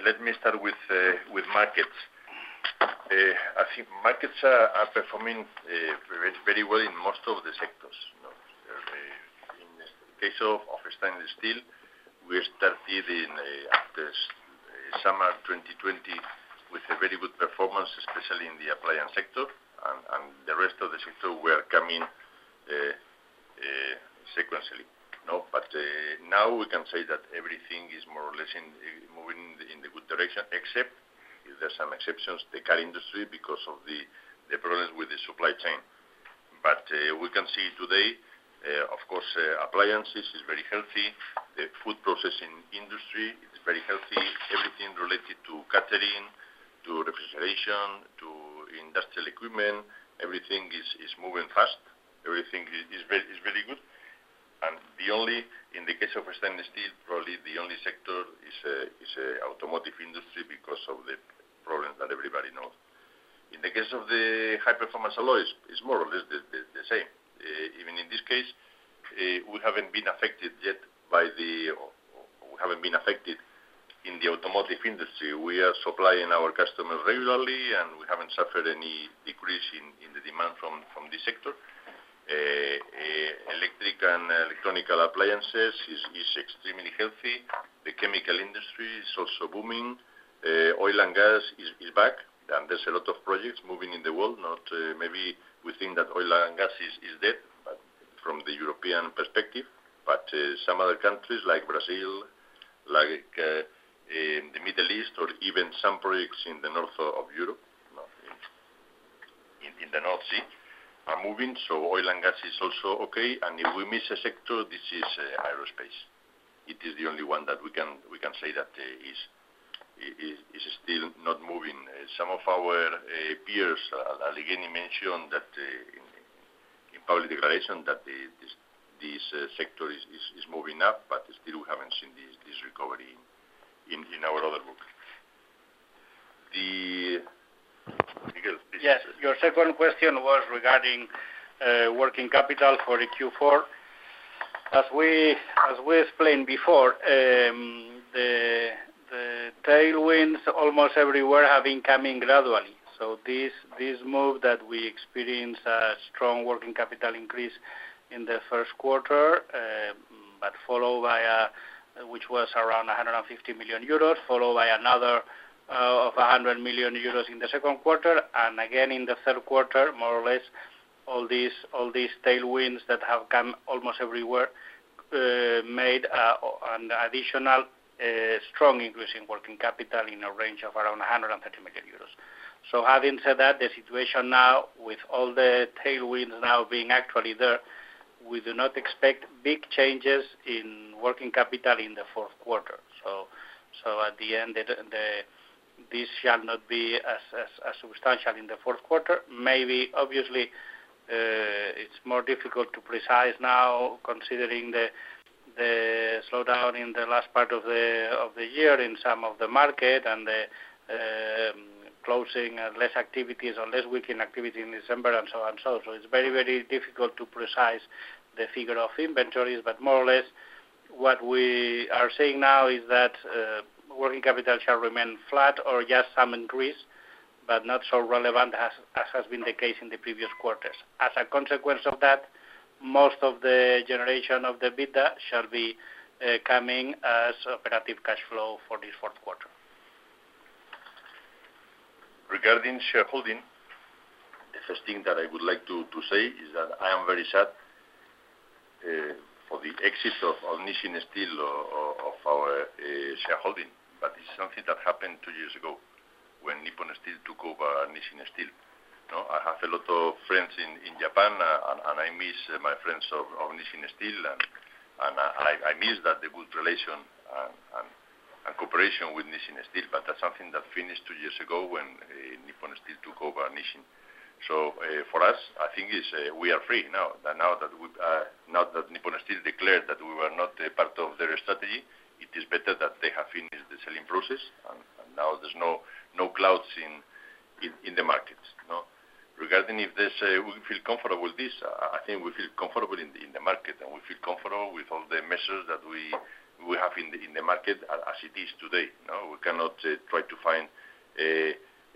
Let me start with markets. I think markets are performing very well in most of the sectors, you know. In the case of stainless steel, we started in the summer of 2020 with a very good performance, especially in the appliance sector and the rest of the sector were coming sequentially. Now we can say that everything is more or less moving in the good direction, except there's some exceptions, the car industry because of the problems with the supply chain. We can see today, of course, appliances is very healthy. The food processing industry is very healthy. Everything related to catering, to refrigeration, to industrial equipment, everything is moving fast. Everything is very good. In the case of stainless steel, probably the only sector is automotive industry because of the problems that everybody knows. In the case of the high-performance alloys, it's more or less the same. Even in this case, we haven't been affected yet by the. We haven't been affected in the automotive industry. We are supplying our customers regularly, and we haven't suffered any decrease in the demand from this sector. Electric and electronical appliances is extremely healthy. The chemical industry is also booming. Oil and gas is back. There's a lot of projects moving in the world, not maybe we think that oil and gas is dead, but from the European perspective. Some other countries like Brazil, like, in the Middle East or even some projects in the north of Europe. In the North Sea are moving, so oil and gas is also okay. If we miss a sector, this is aerospace. It is the only one that we can say that is still not moving. Some of our peers, Allegheny mentioned that in public declaration that this sector is moving up, but still we haven't seen this recovery in our order book. Miguel. Yes. Your second question was regarding working capital for the Q4. As we explained before, the tailwinds almost everywhere have been coming gradually. This move that we experienced a strong working capital increase in the first quarter, but followed by which was around 150 million euros, followed by another of 100 million euros in the second quarter. Again, in the third quarter, more or less, all these tailwinds that have come almost everywhere made an additional strong increase in working capital in a range of around 130 million euros. Having said that, the situation now with all the tailwinds now being actually there, we do not expect big changes in working capital in the fourth quarter. At the end, this shall not be as substantial in the fourth quarter. Maybe, obviously, it's more difficult to predict now considering the slowdown in the last part of the year in some of the markets and the closing less activities or less weekend activity in December and so on and so forth. It's very difficult to predict the figure of inventories, but more or less what we are seeing now is that working capital shall remain flat or just some increase, but not so relevant as has been the case in the previous quarters. As a consequence of that, most of the generation of the EBITDA shall be coming as operating cash flow for this fourth quarter. Regarding shareholding, the first thing that I would like to say is that I am very sad for the exit of Nisshin Steel of our shareholding. It's something that happened two years ago when Nippon Steel took over Nisshin Steel. You know, I have a lot of friends in Japan and I miss my friends of Nisshin Steel and I miss that good relation and cooperation with Nisshin Steel, but that's something that finished two years ago when Nippon Steel took over Nisshin. For us, I think is we are free now. Now that Nippon Steel declared that we were not a part of their strategy, it is better that they have finished the selling process, and now there's no clouds in the market, you know. Regarding if this, we feel comfortable with this, I think we feel comfortable in the market, and we feel comfortable with all the measures that we have in the market as it is today. You know, we cannot try to find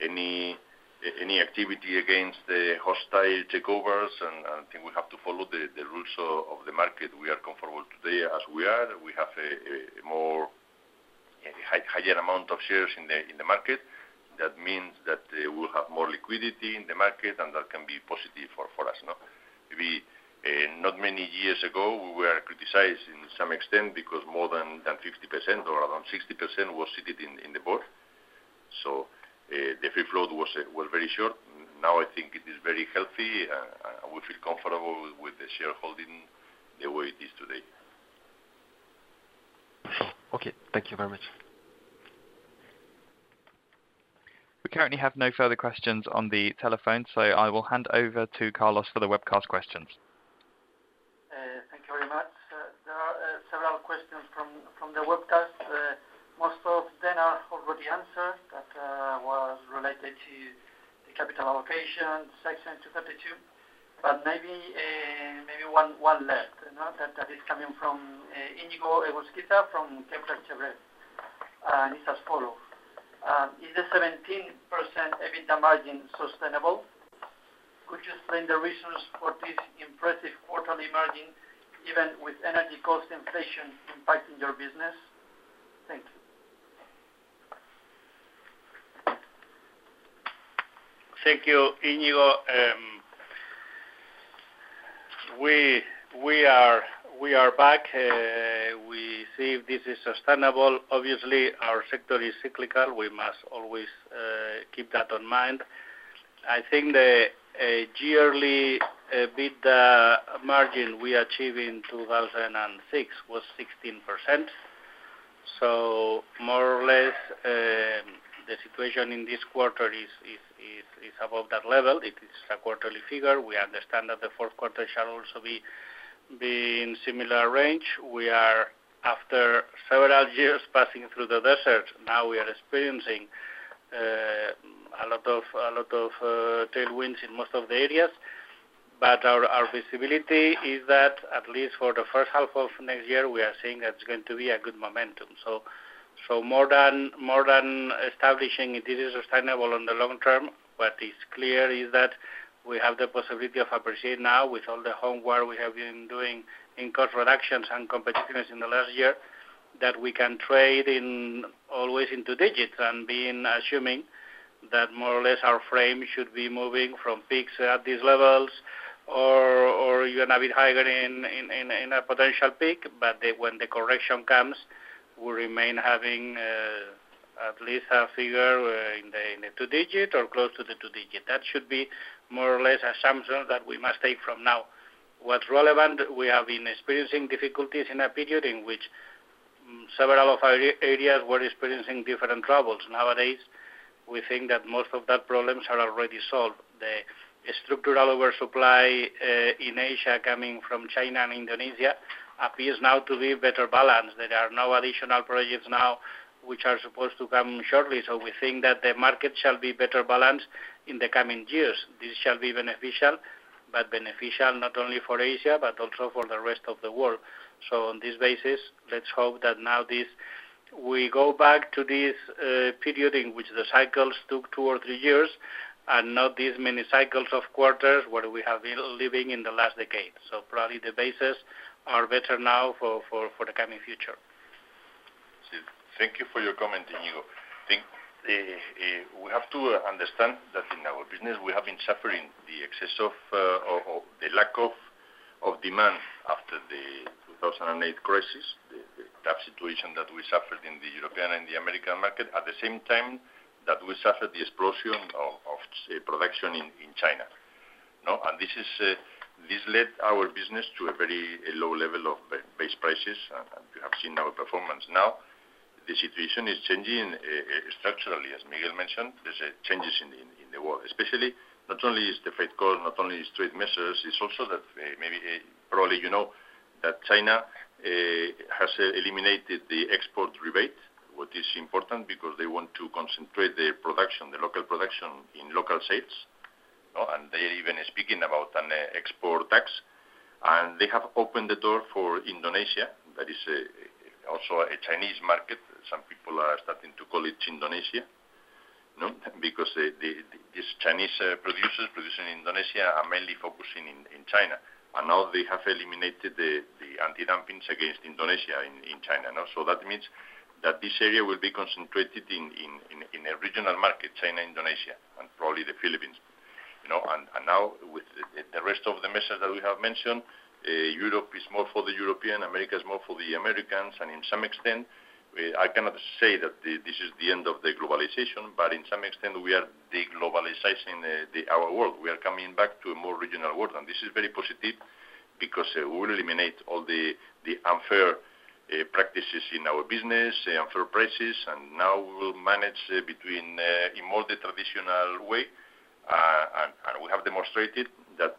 any activity against the hostile takeovers and think we have to follow the rules of the market. We are comfortable today as we are. We have a more higher amount of shares in the market. That means that we'll have more liquidity in the market, and that can be positive for us. Now, not many years ago, we were criticized to some extent because more than 50% or around 60% was held in the board. The free float was very short. Now I think it is very healthy, and we feel comfortable with the shareholding the way it is today. Okay. Thank you very much. We currently have no further questions on the telephone, so I will hand over to Carlos for the webcast questions. Thank you very much. There are several questions from the webcast. Most of them are already answered. That was related to the capital allocation Section 232. Maybe one left. You know that is coming from Iñigo Egusquiza from Kepler Cheuvreux, and it's as follows. Is the 17% EBITDA margin sustainable? Could you explain the reasons for this impressive quarterly margin, even with energy cost inflation impacting your business? Thank you. Thank you, Iñigo. We are back. We see if this is sustainable. Obviously, our sector is cyclical. We must always keep that in mind. I think the yearly EBITDA margin we achieved in 2006 was 16%. More or less, the situation in this quarter is above that level. It is a quarterly figure. We understand that the fourth quarter shall also be in similar range. We are after several years passing through the desert, now we are experiencing a lot of tailwinds in most of the areas. Our visibility is that at least for the first half of next year, we are seeing that's going to be a good momentum. More than establishing it is sustainable in the long term, what is clear is that we have the possibility of appreciating now with all the homework we have been doing in cost reductions and competitiveness in the last year, that we can trade in always two-digits. Assuming that more or less our frame should be moving from peaks at these levels or even a bit higher in a potential peak, but when the correction comes, we remain having at least a figure in the two-digits or close to two-digits. That should be more or less assumption that we must take from now. What's relevant, we have been experiencing difficulties in a period in which several of our areas were experiencing different troubles. Nowadays, we think that most of that problems are already solved. The structural oversupply in Asia coming from China and Indonesia appears now to be better balanced. There are no additional projects now, which are supposed to come shortly. We think that the market shall be better balanced in the coming years. This shall be beneficial, but beneficial not only for Asia but also for the rest of the world. On this basis, let's hope that now we go back to this period in which the cycles took two or three years and not this many cycles of quarters where we have been living in the last decade. Probably the bases are better now for the coming future. Thank you for your comment, Iñigo. I think we have to understand that in our business, we have been suffering the excess of, or the lack of demand after the 2008 crisis, the tough situation that we suffered in the European and the American market. At the same time that we suffered the explosion of production in China. You know, and this led our business to a very low level of base prices, and you have seen our performance now. The situation is changing structurally, as Miguel mentioned, there's changes in the world. Especially, not only is the Fed call, not only is trade measures, it's also that maybe probably you know that China has eliminated the export rebate, which is important because they want to concentrate their production, the local production in local sales. They're even speaking about an export tax. They have opened the door for Indonesia. That is also a Chinese market. Some people are starting to call it Indonesia, you know, because the these Chinese producers in Indonesia are mainly focusing in China. Now they have eliminated the anti-dumping against Indonesia in China. That means that this area will be concentrated in a regional market, China, Indonesia, and probably the Philippines. You know, and now with the rest of the message that we have mentioned, Europe is more for the European, America is more for the Americans. To some extent, I cannot say that this is the end of the globalization, but to some extent, we are deglobalizing our world. We are coming back to a more regional world. This is very positive because it will eliminate all the unfair practices in our business, unfair prices, and now we will manage betwee, a more traditional way. We have demonstrated that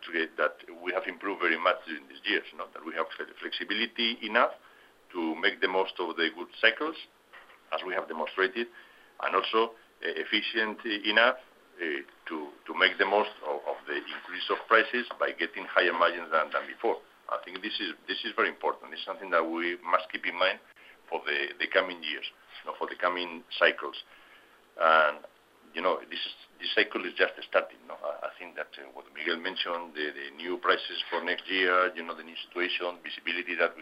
we have improved very much in these years, you know, that we have flexibility enough to make the most of the good cycles as we have demonstrated, and also efficient enough to make the most of the increase of prices by getting higher margins than before. I think this is very important. It's something that we must keep in mind for the coming years, for the coming cycles. You know, this cycle is just starting. I think that what Miguel mentioned, the new prices for next year, you know, the new situation, visibility that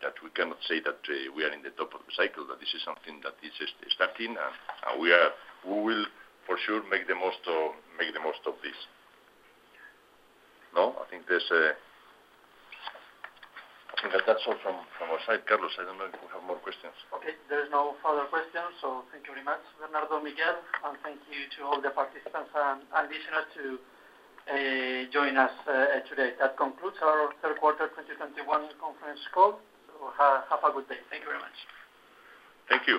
we have, that we cannot say that we are in the top of the cycle, that this is something that is just starting, and we will for sure make the most of this. No, I think that's all from our side. Carlos, I don't know if we have more questions. Okay. There is no further questions. Thank you very much, Bernardo, Miguel, and thank you to all the participants and listeners to join us today. That concludes our third quarter 2021 conference call. Have a good day. Thank you very much. Thank you.